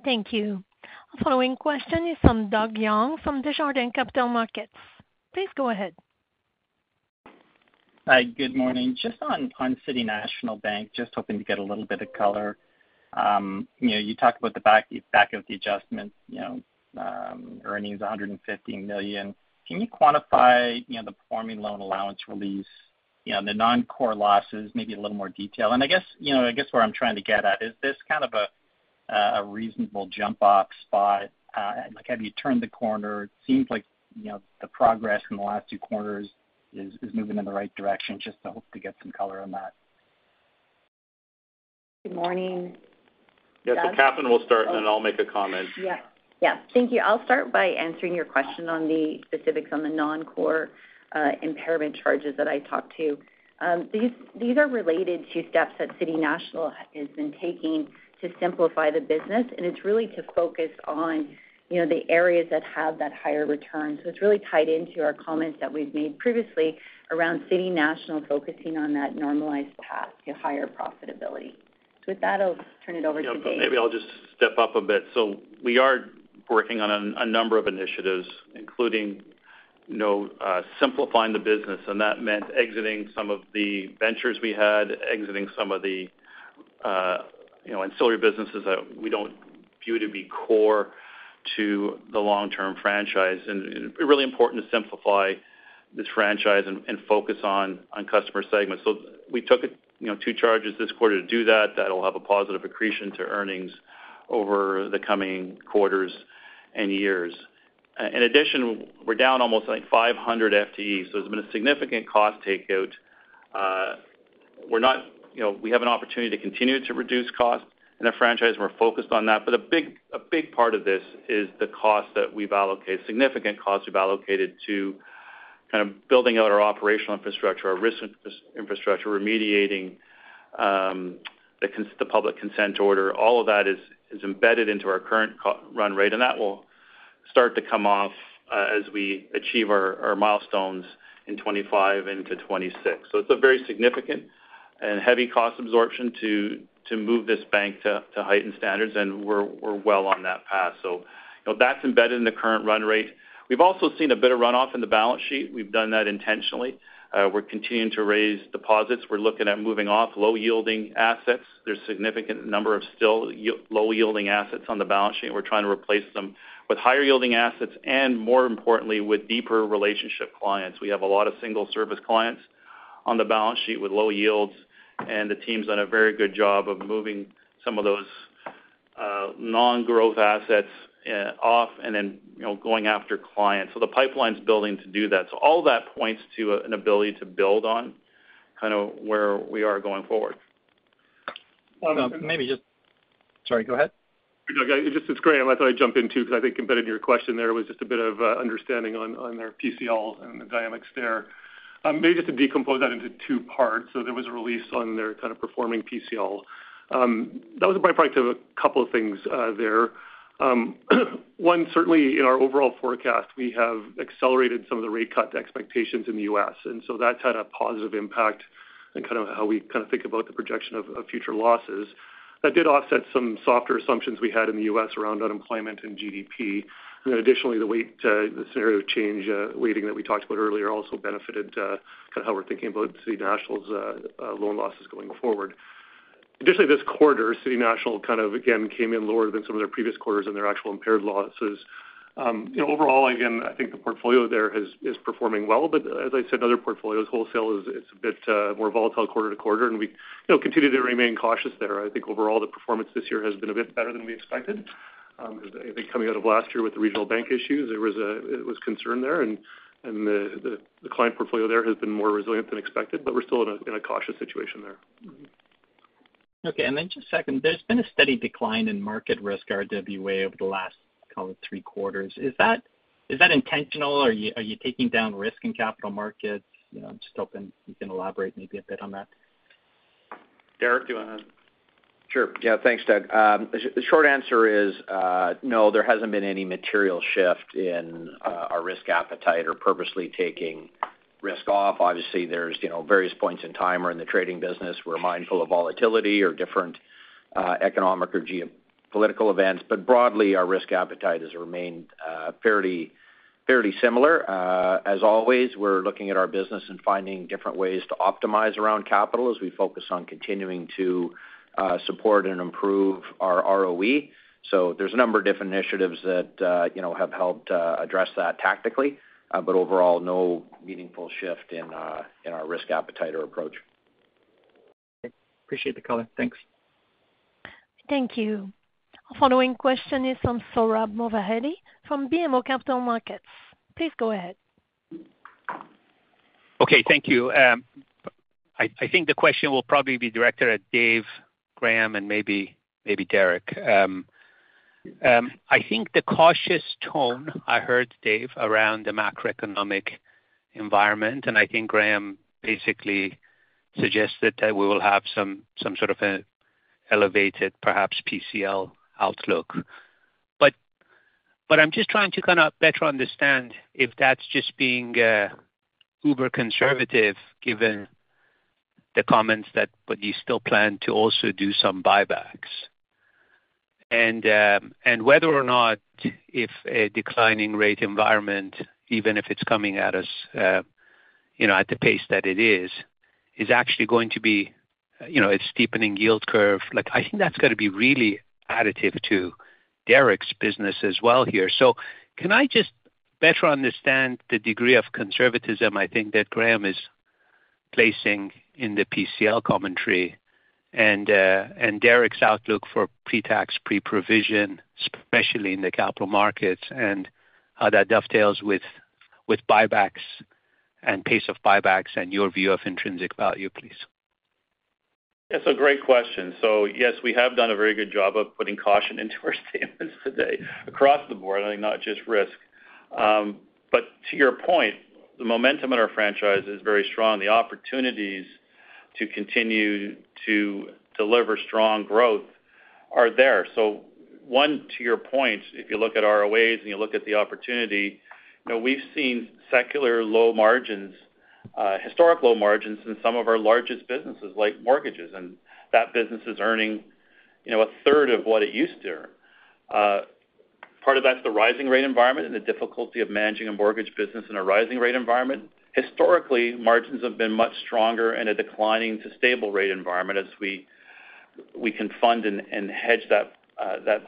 Speaker 1: Thank you. Our following question is from Doug Young from Desjardins Capital Markets. Please go ahead.
Speaker 12: Hi, good morning. Just on City National Bank, just hoping to get a little bit of color. You know, you talked about the back of the adjustment, you know, earnings $150 million. Can you quantify, you know, the performing loan allowance release, you know, the non-core losses, maybe a little more detail? And I guess where I'm trying to get at is this kind of a reasonable jump off spot? Like, have you turned the corner? It seems like, you know, the progress in the last two quarters is moving in the right direction. Just I hope to get some color on that.
Speaker 4: Good morning.
Speaker 3: Yes, so Katherine will start, and then I'll make a comment.
Speaker 4: Yeah. Thank you. I'll start by answering your question on the specifics on the non-core impairment charges that I talked to. These are related to steps that City National has been taking to simplify the business, and it's really to focus on, you know, the areas that have that higher return. So it's really tied into our comments that we've made previously around City National focusing on that normalized path to higher profitability. So with that, I'll turn it over to Dave.
Speaker 3: Yeah, maybe I'll just step up a bit. So we are working on a number of initiatives, including, you know, simplifying the business, and that meant exiting some of the ventures we had, exiting some of the, you know, ancillary businesses that we don't view to be core to the long-term franchise. And it's really important to simplify this franchise and focus on customer segments. So we took, you know, two charges this quarter to do that. That'll have a positive accretion to earnings over the coming quarters and years. In addition, we're down almost, like, 500 FTEs, so there's been a significant cost take out. You know, we have an opportunity to continue to reduce costs in the franchise, and we're focused on that. But a big part of this is the cost that we've allocated, significant costs we've allocated to kind of building out our operational infrastructure, our risk infrastructure, remediating the public consent order. All of that is embedded into our current run rate, and that will start to come off as we achieve our milestones in 2025 into 2026. So it's a very significant and heavy cost absorption to move this bank to heightened standards, and we're well on that path. So, you know, that's embedded in the current run rate. We've also seen a bit of runoff in the balance sheet. We've done that intentionally. We're continuing to raise deposits. We're looking at moving off low-yielding assets. There's a significant number of still low-yielding assets on the balance sheet, and we're trying to replace them with higher-yielding assets and more importantly, with deeper relationship clients. We have a lot of single-service clients on the balance sheet with low yields, and the team's done a very good job of moving some of those non-growth assets off and then, you know, going after clients. So the pipeline's building to do that. So all that points to an ability to build on kind of where we are going forward.
Speaker 7: Well, maybe just, sorry, go ahead.
Speaker 5: It's Graeme. I thought I'd jump in, too, because I think embedded in your question, there was just a bit of understanding on their PCL and the dynamics there. Maybe just to decompose that into two parts. So there was a release on their kind of performing PCL. That was a byproduct of a couple of things there. One, certainly in our overall forecast, we have accelerated some of the rate cut expectations in the U.S., and so that's had a positive impact in kind of how we kind of think about the projection of future losses. That did offset some softer assumptions we had in the U.S. around unemployment and GDP. And then additionally, the weight, the scenario change, weighting that we talked about earlier also benefited, kind of how we're thinking about City National's, loan losses going forward. Additionally, this quarter, City National kind of again came in lower than some of their previous quarters and their actual impaired losses. You know, overall, again, I think the portfolio here is performing well, but as I said, other portfolios, wholesale is a bit more volatile quarter to quarter, and we you know, continue to remain cautious there. I think overall, the performance this year has been a bit better than we expected. I think coming out of last year with the regional bank issues, there was a concern there, and the client portfolio there has been more resilient than expected, but we're still in a cautious situation there.
Speaker 12: Okay, and then just second, there's been a steady decline in market risk RWA over the last, call it, three quarters. Is that, is that intentional? Are you, are you taking down risk in capital markets? You know, I'm just hoping you can elaborate maybe a bit on that.
Speaker 5: David, do you want to?
Speaker 3: Sure. Yeah, thanks, Doug. The short answer is no, there hasn't been any material shift in our risk appetite or purposely taking risk off. Obviously, there's, you know, various points in time where in the trading business, we're mindful of volatility or different economic or geopolitical events, but broadly, our risk appetite has remained fairly similar. As always, we're looking at our business and finding different ways to optimize around capital as we focus on continuing to support and improve our ROE. So there's a number of different initiatives that have helped address that tactically, but overall, no meaningful shift in our risk appetite or approach.
Speaker 12: Appreciate the color. Thanks.
Speaker 1: Thank you. Our following question is from Sohrab Movahedi from BMO Capital Markets. Please go ahead.
Speaker 13: Okay, thank you. I think the question will probably be directed at Dave, Graeme, and maybe Derek. I think the cautious tone I heard, Dave, around the macroeconomic environment, and I think Graeme basically suggested that we will have some sort of an elevated, perhaps PCL outlook. But I'm just trying to kind of better understand if that's just being uber conservative, given the comments that, but you still plan to also do some buybacks. And whether or not if a declining rate environment, even if it's coming at us, you know, at the pace that it is, is actually going to be, you know, a steepening yield curve. Like, I think that's going to be really additive to Derek's business as well here. So can I just better understand the degree of conservatism I think that Graeme is placing in the PCL commentary, and and Derek's outlook for pre-tax, pre-provision, especially in the capital markets, and how that dovetails with buybacks and pace of buybacks and your view of intrinsic value, please?
Speaker 3: That's a great question. So yes, we have done a very good job of putting caution into our statements today across the board, and not just risk, but to your point, the momentum in our franchise is very strong. The opportunities to continue to deliver strong growth are there, so one, to your point, if you look at ROAs and you look at the opportunity, you know, we've seen secular low margins, historic low margins in some of our largest businesses, like mortgages, and that business is earning, you know, a third of what it used to earn. Part of that's the rising rate environment and the difficulty of managing a mortgage business in a rising rate environment. Historically, margins have been much stronger in a declining to stable rate environment as we can fund and hedge that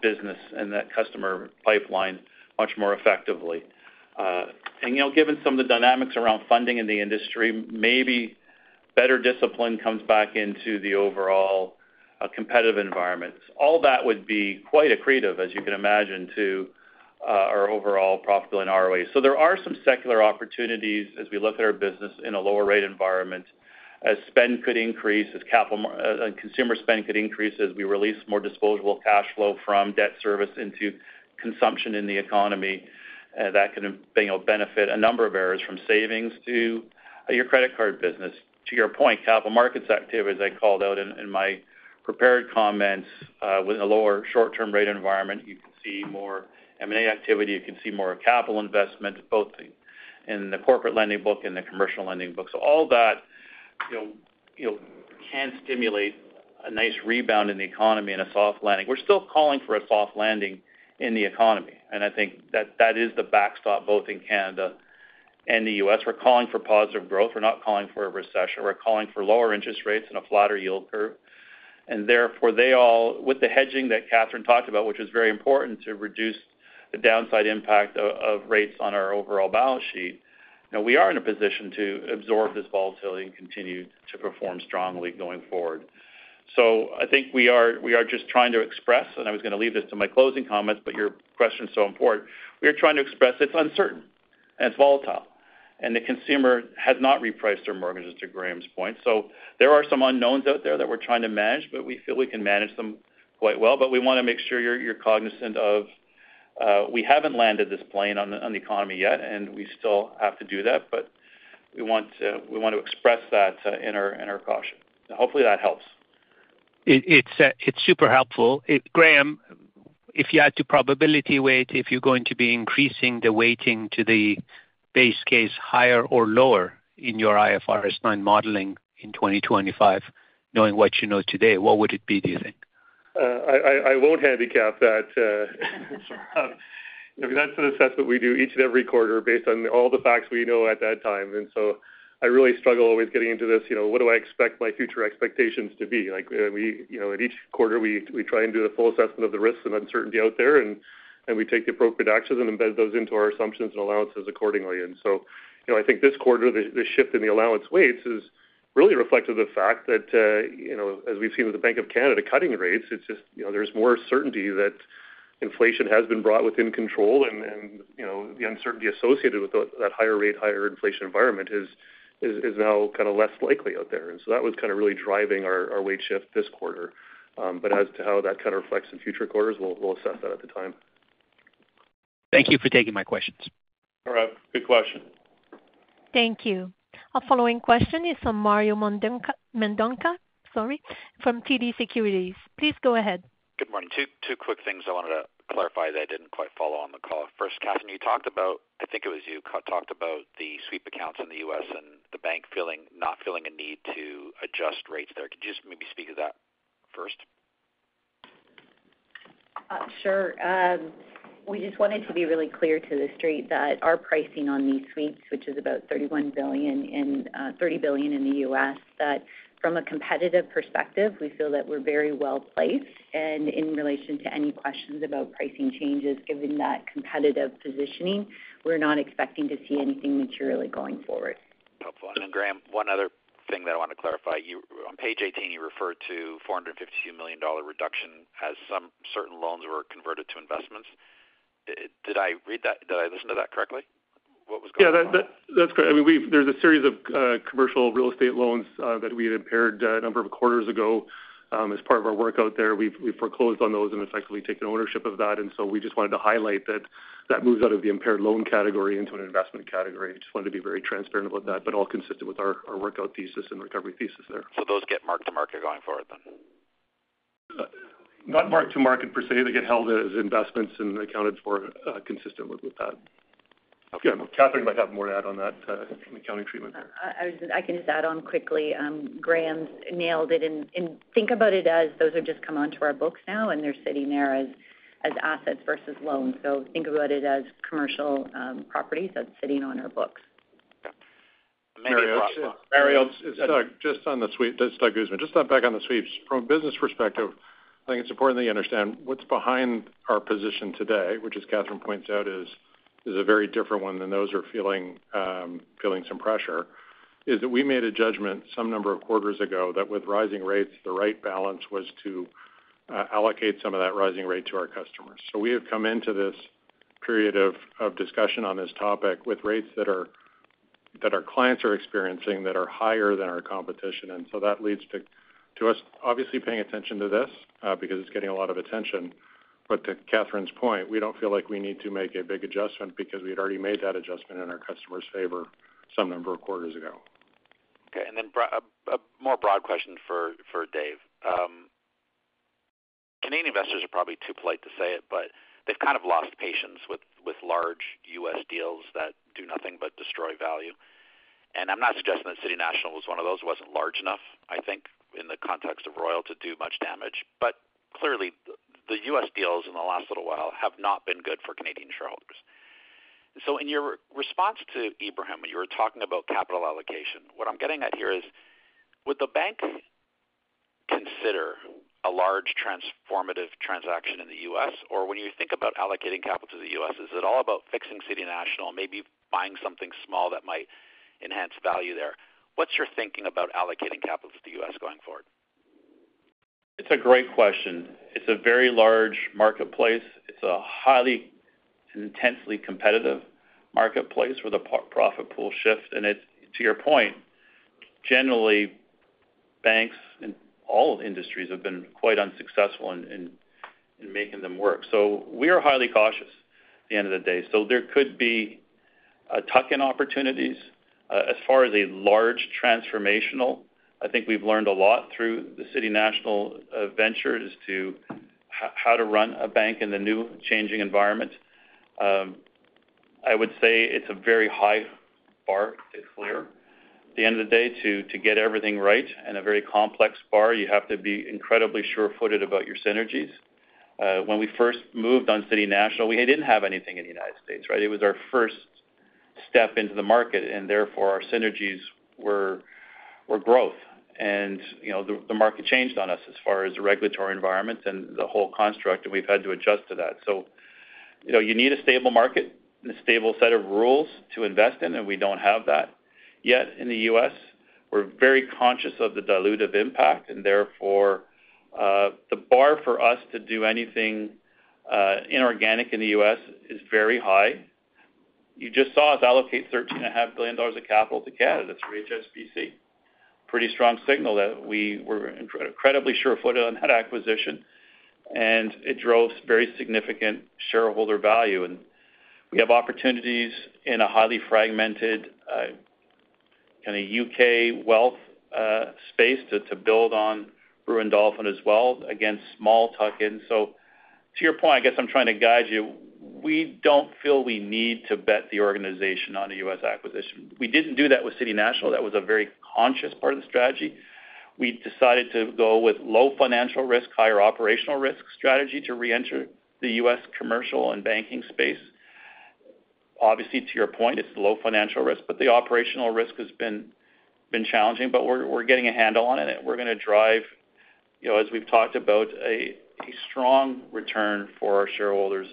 Speaker 3: business and that customer pipeline much more effectively. And, you know, given some of the dynamics around funding in the industry, maybe better discipline comes back into the overall competitive environment. All that would be quite accretive, as you can imagine, to our overall profitability in ROA. So there are some secular opportunities as we look at our business in a lower rate environment. As spend could increase, consumer spend could increase as we release more disposable cash flow from debt service into consumption in the economy, that can, you know, benefit a number of areas, from savings to your credit card business. To your point, capital markets activity, as I called out in my prepared comments, with a lower short-term rate environment, you can see more M&A activity, you can see more capital investment, both in the corporate lending book and the commercial lending book. So all that, you know, can stimulate a nice rebound in the economy and a soft landing. We're still calling for a soft landing in the economy, and I think that that is the backstop, both in Canada and the U.S. We're calling for positive growth. We're not calling for a recession. We're calling for lower interest rates and a flatter yield curve. And therefore, they all with the hedging that Katherine talked about, which is very important to reduce the downside impact of rates on our overall balance sheet, you know, we are in a position to absorb this volatility and continue to perform strongly going forward. So I think we are just trying to express, and I was going to leave this to my closing comments, but your question is so important. We are trying to express it's uncertain and it's volatile, and the consumer has not repriced their mortgages, to Graeme's point. So there are some unknowns out there that we're trying to manage, but we feel we can manage them quite well. But we want to make sure you're, you're cognizant of, we haven't landed this plane on the, on the economy yet, and we still have to do that, but we want to, we want to express that, in our, in our caution. So hopefully that helps.
Speaker 13: It's super helpful. Graeme, if you had to probability weight, if you're going to be increasing the weighting to the base case higher or lower in your IFRS 9 modeling in 2025, knowing what you know today, what would it be, do you think?
Speaker 5: I won't handicap that. I mean, that's an assessment we do each and every quarter based on all the facts we know at that time. And so I really struggle with getting into this, you know, what do I expect my future expectations to be like? We, you know, at each quarter, we try and do the full assessment of the risks and uncertainty out there, and we take the appropriate actions and embed those into our assumptions and allowances accordingly. And so, you know, I think this quarter, the shift in the allowance weights is really reflective of the fact that, you know, as we've seen with the Bank of Canada cutting rates, it's just, you know, there's more certainty that inflation has been brought within control and, you know, the uncertainty associated with that higher rate, higher inflation environment is now kind of less likely out there. And so that was kind of really driving our weight shift this quarter. But as to how that kind of reflects in future quarters, we'll assess that at the time.
Speaker 13: Thank you for taking my questions.
Speaker 5: All right. Good question.
Speaker 1: Thank you. Our following question is from Mario Mendonca, sorry, from TD Securities. Please go ahead.
Speaker 14: Good morning. Two quick things I wanted to clarify that I didn't quite follow on the call. First, Katherine, you talked about, I think it was you, talked about the sweep accounts in the U.S. and the bank not feeling a need to adjust rates there. Could you just maybe speak to that first?
Speaker 4: Sure. We just wanted to be really clear to the street that our pricing on these sweeps, which is about $31 billion in, $30 billion in the U.S., that from a competitive perspective, we feel that we're very well placed. And in relation to any questions about pricing changes, given that competitive positioning, we're not expecting to see anything materially going forward.
Speaker 14: Helpful. And then, Graeme, one other thing that I want to clarify. You, on page 18, you referred to 452 million dollar reduction as some certain loans were converted to investments. Did I read that? Did I listen to that correctly? What was going on?
Speaker 5: Yeah, that's correct. I mean, we've, there's a series of commercial real estate loans that we had impaired a number of quarters ago. As part of our work out there, we've foreclosed on those and effectively taken ownership of that. And so we just wanted to highlight that that moves out of the impaired loan category into an investment category. Just wanted to be very transparent about that, but all consistent with our workout thesis and recovery thesis there.
Speaker 14: So those get mark to market going forward then?
Speaker 5: Not mark to market per se. They get held as investments and accounted for, consistent with that. Yeah, Katherine might have more to add on that, accounting treatment there.
Speaker 4: I can just add on quickly. Graeme nailed it, and think about it as those have just come onto our books now, and they're sitting there as assets versus loans. So think about it as commercial properties that's sitting on our books.
Speaker 15: Mario, it's Doug. Just on the sweep. This is Doug Guzman. Just back on the sweeps. From a business perspective, I think it's important that you understand what's behind our position today, which, as Katherine points out, is a very different one than those who are feeling some pressure, is that we made a judgment some number of quarters ago that with rising rates, the right balance was to allocate some of that rising rate to our customers. So we have come into this period of discussion on this topic with rates that our clients are experiencing that are higher than our competition. And so that leads to us obviously paying attention to this because it's getting a lot of attention. But to Katherine's point, we don't feel like we need to make a big adjustment because we'd already made that adjustment in our customers' favor some number of quarters ago.
Speaker 14: Okay. And then a more broad question for, for Dave. Canadian investors are probably too polite to say it, but they've kind of lost patience with large U.S. deals that do nothing but destroy value. And I'm not suggesting that City National was one of those. It wasn't large enough, I think, in the context of Royal, to do much damage. But clearly, the U.S. deals in the last little while have not been good for Canadian shareholders. So in your response to Ebrahim, when you were talking about capital allocation, what I'm getting at here is, would the bank consider a large transformative transaction in the U.S.? Or when you think about allocating capital to the U.S., is it all about fixing City National, maybe buying something small that might enhance value there? What's your thinking about allocating capital to the U.S. going forward?
Speaker 3: It's a great question. It's a very large marketplace. It's a highly intensely competitive marketplace where the profit pool shifts, and it's, to your point, generally, banks in all industries have been quite unsuccessful in making them work. So we are highly cautious at the end of the day. So there could be tuck-in opportunities. As far as a large transformational, I think we've learned a lot through the City National ventures to how to run a bank in the new changing environment. I would say it's a very high bar to clear. At the end of the day, to get everything right and a very complex bar, you have to be incredibly sure-footed about your synergies. When we first moved on City National, we didn't have anything in the United States, right? It was our first step into the market, and therefore, our synergies were growth. And, you know, the market changed on us as far as the regulatory environment and the whole construct, and we've had to adjust to that. You know, you need a stable market and a stable set of rules to invest in, and we don't have that yet in the U.S. We're very conscious of the dilutive impact, and therefore, the bar for us to do anything inorganic in the U.S. is very high. You just saw us allocate 13.5 billion dollars of capital to Canada through HSBC. Pretty strong signal that we were incredibly sure-footed on that acquisition, and it drove very significant shareholder value. And we have opportunities in a highly fragmented kind of U.K. wealth space to build on Brewin Dolphin as well against small tuck-ins. So to your point, I guess I'm trying to guide you. We don't feel we need to bet the organization on a U.S. acquisition. We didn't do that with City National. That was a very conscious part of the strategy. We decided to go with low financial risk, higher operational risk strategy to reenter the U.S. commercial and banking space. Obviously, to your point, it's low financial risk, but the operational risk has been challenging, but we're getting a handle on it, and we're going to drive, you know, as we've talked about, a strong return for our shareholders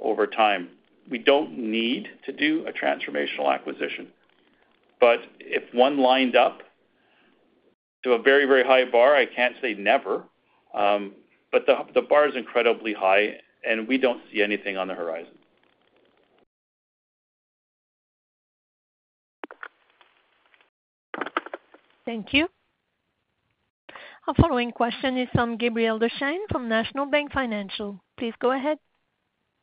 Speaker 3: over time. We don't need to do a transformational acquisition, but if one lined up to a very, very high bar, I can't say never. But the bar is incredibly high, and we don't see anything on the horizon.
Speaker 1: Thank you. Our following question is from Gabriel Dechaine, from National Bank Financial. Please go ahead.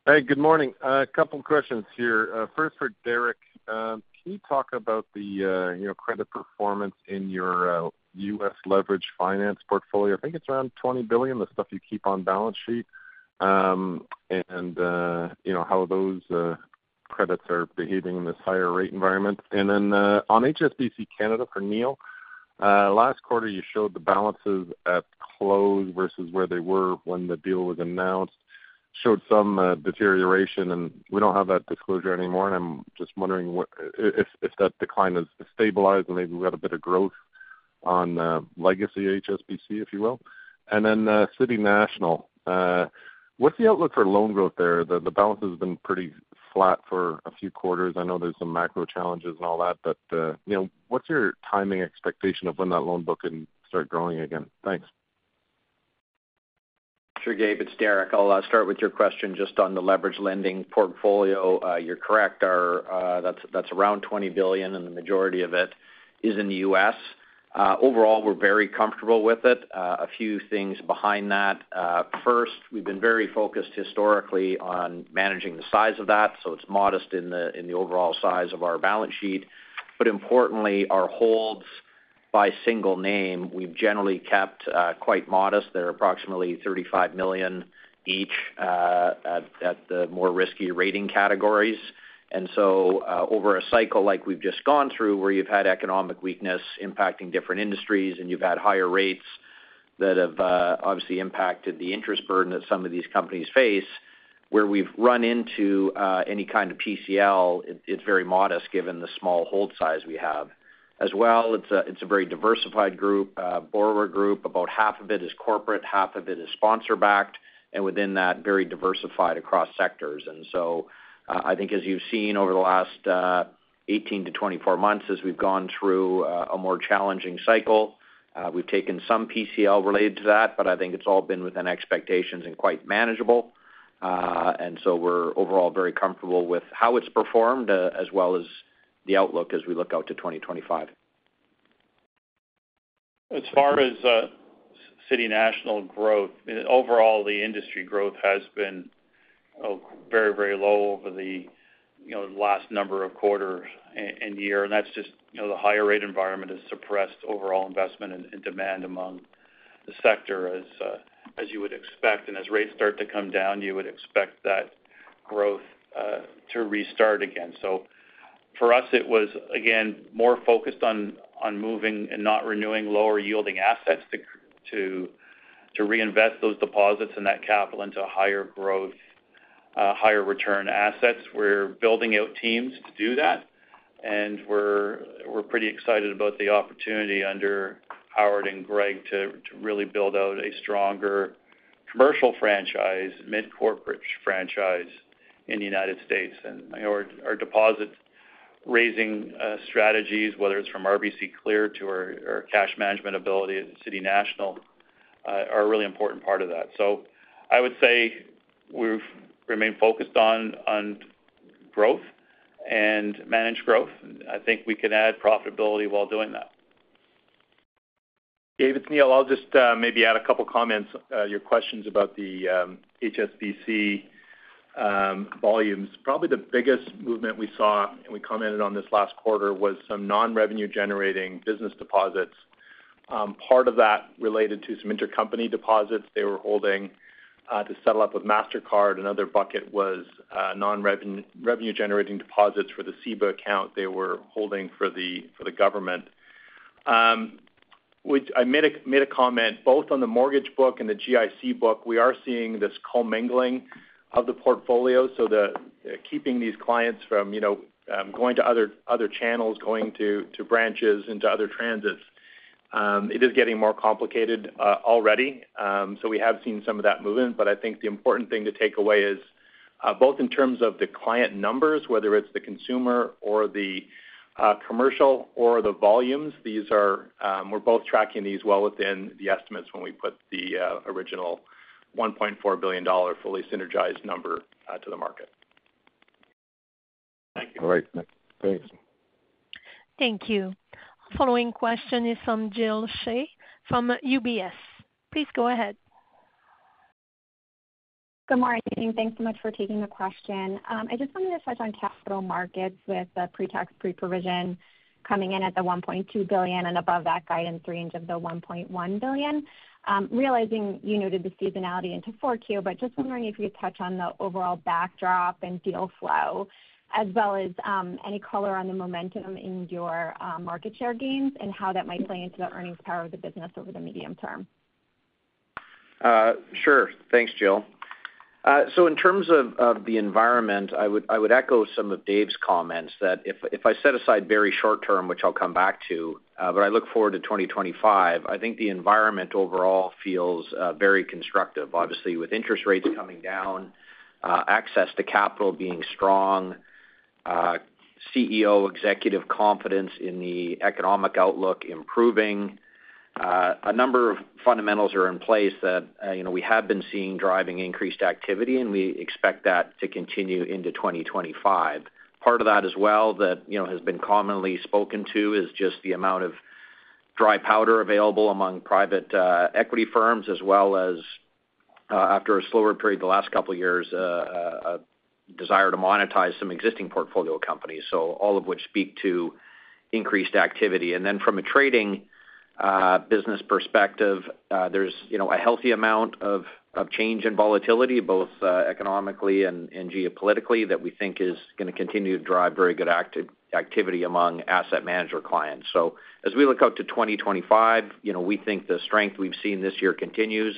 Speaker 16: Hey, good morning. A couple questions here. First for Derek. Can you talk about the, you know, credit performance in your U.S. leverage finance portfolio? I think it's around $20 billion, the stuff you keep on balance sheet. And, you know, how those credits are behaving in this higher rate environment. And then, on HSBC Bank Canada, for Neil, last quarter, you showed the balances at close versus where they were when the deal was announced, showed some deterioration, and we don't have that disclosure anymore, and I'm just wondering what if that decline has stabilized, and maybe we've got a bit of growth on legacy HSBC, if you will. And then, City National Bank, what's the outlook for loan growth there? The balance has been pretty flat for a few quarters. I know there's some macro challenges and all that, but, you know, what's your timing expectation of when that loan book can start growing again? Thanks.
Speaker 11: Sure, Gabe, it's Derek. I'll start with your question just on the leverage lending portfolio. You're correct. Our, that's, that's around 20 billion, and the majority of it is in the U.S. Overall, we're very comfortable with it. A few things behind that. First, we've been very focused historically on managing the size of that, so it's modest in the, in the overall size of our balance sheet. But importantly, our holds by single name, we've generally kept quite modest. They're approximately 35 million each, at, at the more risky rating categories. And so, over a cycle like we've just gone through, where you've had economic weakness impacting different industries, and you've had higher rates that have obviously impacted the interest burden that some of these companies face, where we've run into any kind of PCL, it's very modest given the small hold size we have. As well, it's a very diversified borrower group. About half of it is corporate, half of it is sponsor backed, and within that, very diversified across sectors. And so, I think as you've seen over the last 18-24 months, as we've gone through a more challenging cycle, we've taken some PCL related to that, but I think it's all been within expectations and quite manageable. And so we're overall very comfortable with how it's performed, as well as the outlook as we look out to 2025. As far as City National growth, overall, the industry growth has been very, very low over the you know last number of quarters and year. And that's just you know the higher rate environment has suppressed overall investment and demand among the sector as you would expect. And as rates start to come down, you would expect that growth to restart again. So for us, it was again more focused on moving and not renewing lower yielding assets to reinvest those deposits and that capital into higher growth higher return assets. We're building out teams to do that, and we're pretty excited about the opportunity under Howard and Greg to really build out a stronger commercial franchise, mid-corporate franchise in the United States. And, you know, our deposit raising strategies, whether it's from RBC Clear to our cash management ability at City National, are a really important part of that. So I would say we've remained focused on growth and managed growth. I think we can add profitability while doing that.
Speaker 9: Dave, it's Neil. I'll just maybe add a couple comments. Your questions about the HSBC volumes. Probably the biggest movement we saw, and we commented on this last quarter, was some non-revenue generating business deposits. Part of that related to some intercompany deposits they were holding to settle up with Mastercard.Another bucket was non-revenue generating deposits for the CIBC account they were holding for the government. Which I made a comment both on the mortgage book and the GIC book. We are seeing this commingling of the portfolio, so keeping these clients from, you know, going to other channels, going to branches and to other transits. It is getting more complicated already. So we have seen some of that movement, but I think the important thing to take away is both in terms of the client numbers, whether it's the consumer or the commercial or the volumes, these are. We're both tracking these well within the estimates when we put the original 1.4 billion dollar fully synergized number to the market.
Speaker 16: Thank you.
Speaker 3: All right, thanks.
Speaker 1: Thank you. Following question is from Jill Shea from UBS. Please go ahead.
Speaker 17: Good morning, team. Thanks so much for taking the question. I just wanted to touch on capital markets with the pre-tax, pre-provision coming in at 1.2 billion and above that guidance range of the 1.1 billion. Realizing you noted the seasonality into Q4, but just wondering if you could touch on the overall backdrop and deal flow, as well as, any color on the momentum in your market share gains and how that might play into the earnings power of the business over the medium term.
Speaker 11: Sure. Thanks, Jill. So in terms of the environment, I would echo some of Dave's comments that if I set aside very short term, which I'll come back to, but I look forward to 2025, I think the environment overall feels very constructive. Obviously, with interest rates coming down, access to capital being strong, CEO executive confidence in the economic outlook improving. A number of fundamentals are in place that, you know, we have been seeing driving increased activity, and we expect that to continue into 2025. Part of that as well, that, you know, has been commonly spoken to, is just the amount of dry powder available among private equity firms, as well as, after a slower period the last couple of years, a desire to monetize some existing portfolio companies. So all of which speak to increased activity. And then from a trading business perspective, there's, you know, a healthy amount of change and volatility, both economically and geopolitically, that we think is gonna continue to drive very good activity among asset manager clients. So as we look out to 2025, you know, we think the strength we've seen this year continues,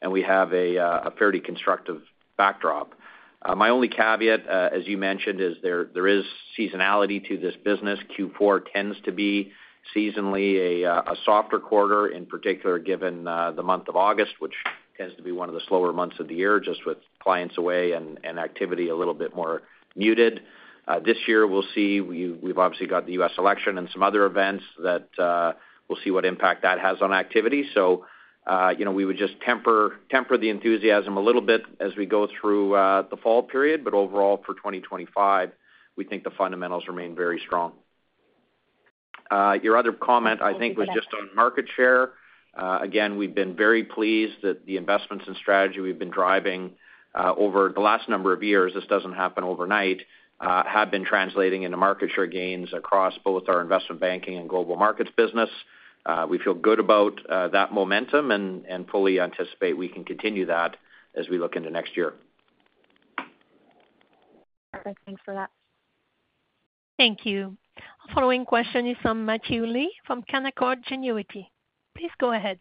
Speaker 11: and we have a fairly constructive backdrop. My only caveat, as you mentioned, is there is seasonality to this business. Q4 tends to be seasonally a softer quarter, in particular, given the month of August, which tends to be one of the slower months of the year, just with clients away and activity a little bit more muted. This year, we'll see. We've obviously got the U.S. election and some other events that we'll see what impact that has on activity. So you know, we would just temper the enthusiasm a little bit as we go through the fall period, but overall, for 2025, we think the fundamentals remain very strong. Your other comment, I think, was just on market share. Again, we've been very pleased that the investments and strategy we've been driving over the last number of years, this doesn't happen overnight, have been translating into market share gains across both our investment banking and global markets business. We feel good about that momentum and fully anticipate we can continue that as we look into next year.
Speaker 17: Perfect. Thanks for that.
Speaker 1: Thank you. Our following question is from Matthew Lee from Canaccord Genuity. Please go ahead.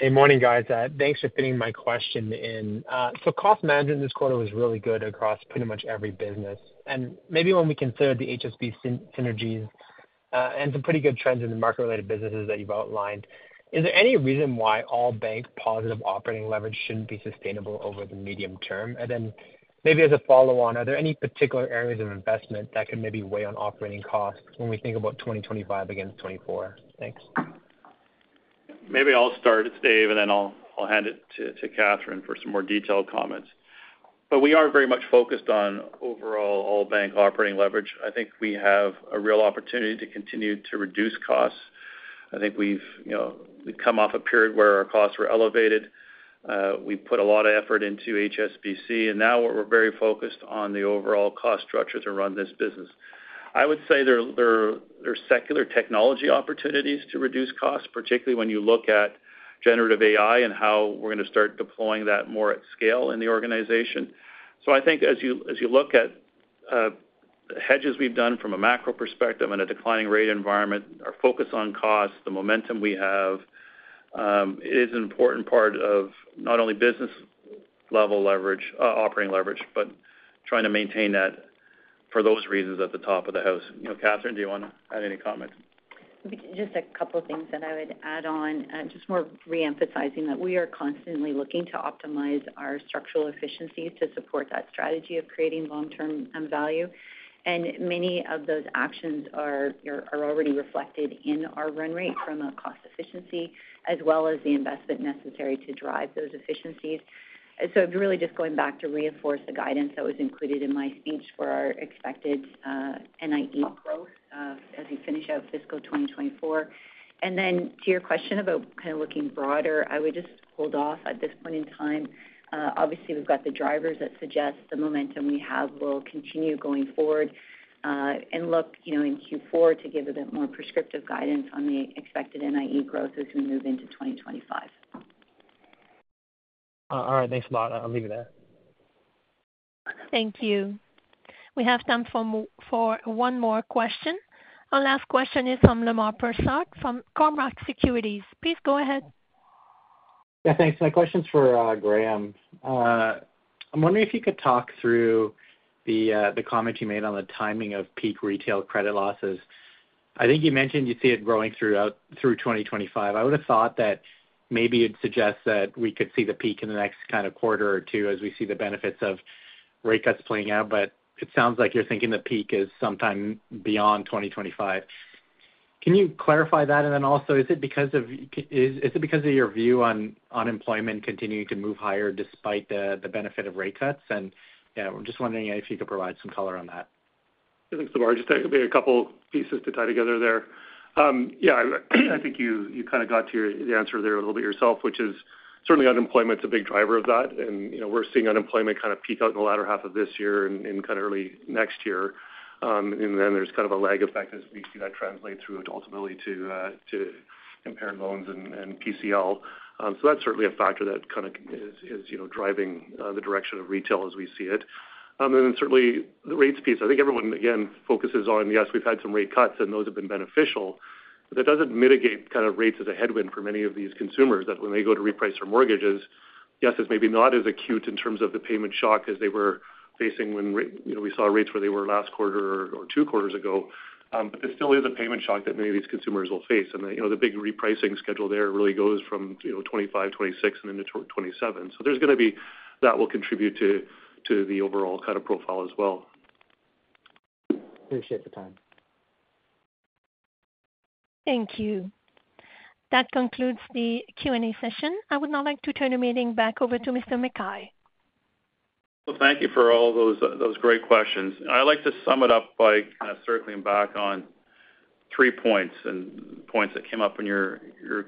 Speaker 18: Good morning, guys. Thanks for fitting my question in. So cost management this quarter was really good across pretty much every business. And maybe when we consider the HSBC synergies, and some pretty good trends in the market-related businesses that you've outlined, is there any reason why RBC positive operating leverage shouldn't be sustainable over the medium term? And then maybe as a follow on, are there any particular areas of investment that could maybe weigh on operating costs when we think about 2025 against 2024? Thanks.
Speaker 3: Maybe I'll start, it's Dave, and then I'll hand it to Katherine for some more detailed comments. But we are very much focused on overall bank operating leverage. I think we have a real opportunity to continue to reduce costs. I think we've, you know, we've come off a period where our costs were elevated. We put a lot of effort into HSBC, and now we're very focused on the overall cost structure to run this business. I would say there are secular technology opportunities to reduce costs, particularly when you look at generative AI and how we're gonna start deploying that more at scale in the organization. So I think as you look at hedges we've done from a macro perspective and a declining rate environment, our focus on cost, the momentum we have, is an important part of not only business level leverage, operating leverage, but trying to maintain that for those reasons at the top of the house. You know, Katherine, do you want to add any comments?
Speaker 4: Just a couple of things that I would add on, just more re-emphasizing that we are constantly looking to optimize our structural efficiencies to support that strategy of creating long-term value. And many of those actions are already reflected in our run rate from a cost efficiency, as well as the investment necessary to drive those efficiencies. So really just going back to reinforce the guidance that was included in my speech for our expected NIE growth as we finish out fiscal 2024. And then to your question about kind of looking broader, I would just hold off at this point in time. Obviously, we've got the drivers that suggest the momentum we have will continue going forward, and look, you know, in Q4 to give a bit more prescriptive guidance on the expected NIE growth as we move into 2025.
Speaker 18: All right. Thanks a lot. I'll leave it there.
Speaker 1: Thank you. We have time for for one more question. Our last question is from Lemar Persaud, from Cormark Securities. Please go ahead.
Speaker 19: Yeah, thanks. My question's for Graeme. I'm wondering if you could talk through the comment you made on the timing of peak retail credit losses. I think you mentioned you see it growing throughout 2025. I would've thought that maybe you'd suggest that we could see the peak in the next kind of quarter or two as we see the benefits of rate cuts playing out, but it sounds like you're thinking the peak is sometime beyond 2025. Can you clarify that? And then also, is it because of your view on unemployment continuing to move higher despite the benefit of rate cuts? And yeah, we're just wondering if you could provide some color on that.
Speaker 5: Thanks, so largely, there could be a couple pieces to tie together there. Yeah, I think you kind of got to the answer there a little bit yourself, which is certainly unemployment's a big driver of that, and, you know, we're seeing unemployment kind of peak out in the latter half of this year and kind of early next year. And then there's kind of a lag effect as we see that translate through to, ultimately, to impaired loans and PCL. So that's certainly a factor that kind of is, you know, driving the direction of retail as we see it. And then certainly the rates piece, I think everyone again focuses on, yes, we've had some rate cuts, and those have been beneficial, but that doesn't mitigate kind of rates as a headwind for many of these consumers, that when they go to reprice their mortgages, yes, it's maybe not as acute in terms of the payment shock as they were facing when you know, we saw rates where they were last quarter or two quarters ago, but there still is a payment shock that many of these consumers will face, and the, you know, the big repricing schedule there really goes from, you know, 2025, 2026 and into 2027, so there's gonna be... That will contribute to the overall kind of profile as well.
Speaker 19: Appreciate the time.
Speaker 1: Thank you. That concludes the Q&A session. I would now like to turn the meeting back over to Mr. McKay.
Speaker 3: Thank you for all those great questions. I'd like to sum it up by kind of circling back on three points and points that came up in your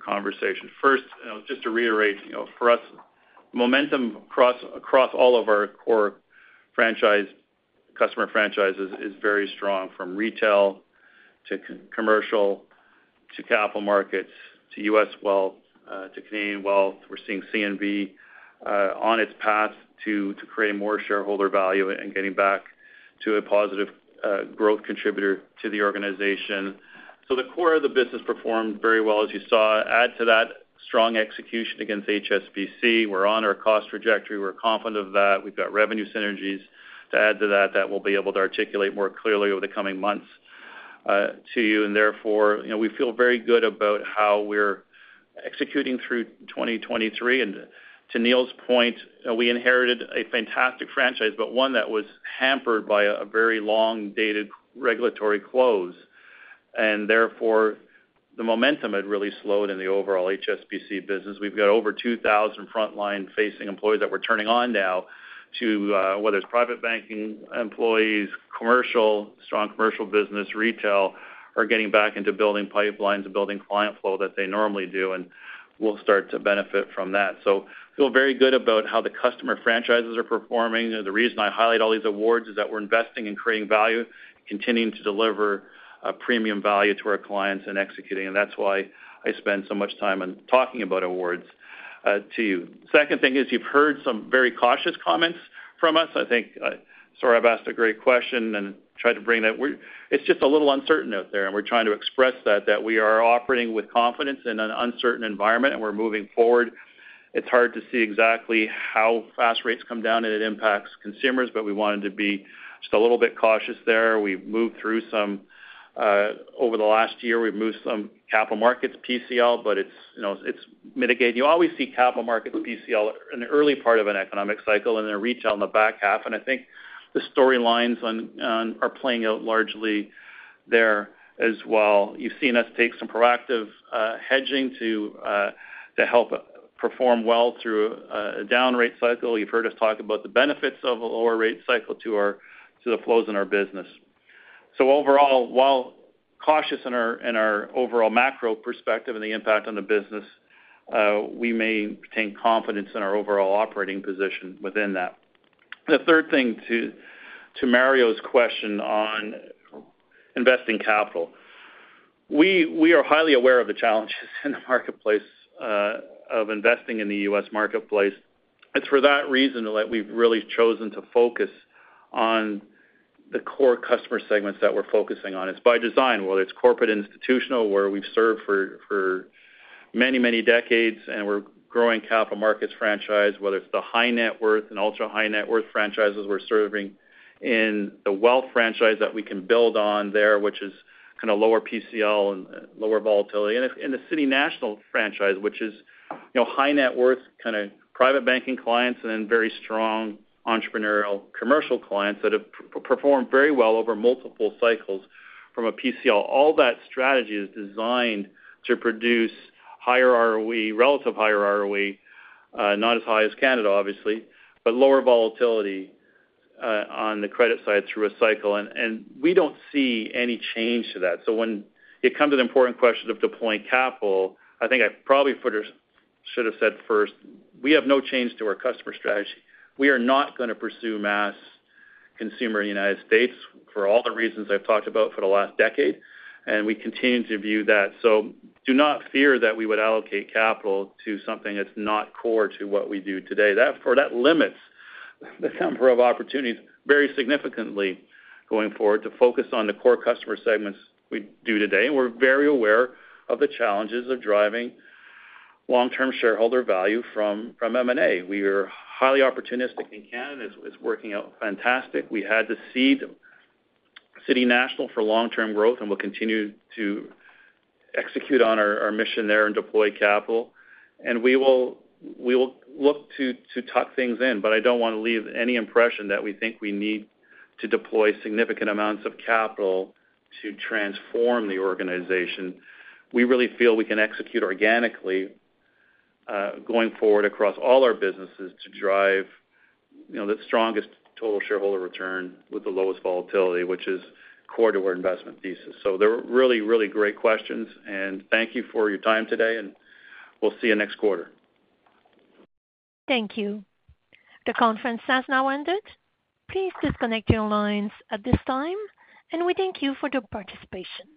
Speaker 3: conversation. First, just to reiterate, you know, for us, momentum across all of our core franchise, customer franchises is very strong, from retail to commercial, to capital markets, to U.S. wealth, to Canadian wealth. We're seeing CNB on its path to create more shareholder value and getting back to a positive growth contributor to the organization. So the core of the business performed very well, as you saw. Add to that strong execution against HSBC. We're on our cost trajectory. We're confident of that. We've got revenue synergies to add to that, that we'll be able to articulate more clearly over the coming months, to you, and therefore, you know, we feel very good about how we're executing through 2023. And to Neil's point, we inherited a fantastic franchise, but one that was hampered by a very long-dated regulatory close, and therefore, the momentum had really slowed in the overall HSBC business. We've got over 2,000 frontline-facing employees that we're turning on now to, whether it's private banking employees, commercial, strong commercial business, retail, are getting back into building pipelines and building client flow that they normally do, and we'll start to benefit from that. So feel very good about how the customer franchises are performing. The reason I highlight all these awards is that we're investing in creating value, continuing to deliver premium value to our clients and executing, and that's why I spend so much time on talking about awards to you. Second thing is, you've heard some very cautious comments from us. I think Sohrab asked a great question and tried to bring that. It's just a little uncertain out there, and we're trying to express that, that we are operating with confidence in an uncertain environment, and we're moving forward. It's hard to see exactly how fast rates come down, and it impacts consumers, but we wanted to be just a little bit cautious there. We've moved through some. Over the last year, we've moved some capital markets PCL, but it's, you know, it's mitigated. You always see capital markets PCL in the early part of an economic cycle and then retail in the back half, and I think the storylines are playing out largely there as well. You've seen us take some proactive hedging to help perform well through a down rate cycle. You've heard us talk about the benefits of a lower rate cycle to the flows in our business, so overall, while cautious in our overall macro perspective and the impact on the business, we may retain confidence in our overall operating position within that. The third thing to Mario's question on investing capital. We are highly aware of the challenges in the marketplace of investing in the U.S. marketplace. It's for that reason that we've really chosen to focus on the core customer segments that we're focusing on. It's by design, whether it's corporate institutional, where we've served for many, many decades, and we're growing capital markets franchise, whether it's the high net worth and ultra-high net worth franchises we're serving in the wealth franchise that we can build on there, which is kind of lower PCL and lower volatility. In the City National franchise, which is, you know, high net worth, kind of private banking clients and then very strong entrepreneurial commercial clients that have performed very well over multiple cycles from a PCL. All that strategy is designed to produce higher ROE, relative higher ROE, not as high as Canada, obviously, but lower volatility on the credit side through a cycle. We don't see any change to that. So when it comes to the important question of deploying capital, I think I probably should have said first, we have no change to our customer strategy. We are not gonna pursue mass consumer in the United States for all the reasons I've talked about for the last decade, and we continue to view that. So do not fear that we would allocate capital to something that's not core to what we do today. That, that limits the number of opportunities very significantly going forward to focus on the core customer segments we do today. And we're very aware of the challenges of driving long-term shareholder value from M&A. We are highly opportunistic in Canada. It's working out fantastic. We had to seed City National for long-term growth, and we'll continue to execute on our mission there and deploy capital. We will look to tuck things in, but I don't want to leave any impression that we think we need to deploy significant amounts of capital to transform the organization. We really feel we can execute organically going forward across all our businesses to drive, you know, the strongest total shareholder return with the lowest volatility, which is core to our investment thesis. So they're really, really great questions, and thank you for your time today, and we'll see you next quarter.
Speaker 1: Thank you. The conference has now ended. Please disconnect your lines at this time, and we thank you for your participation.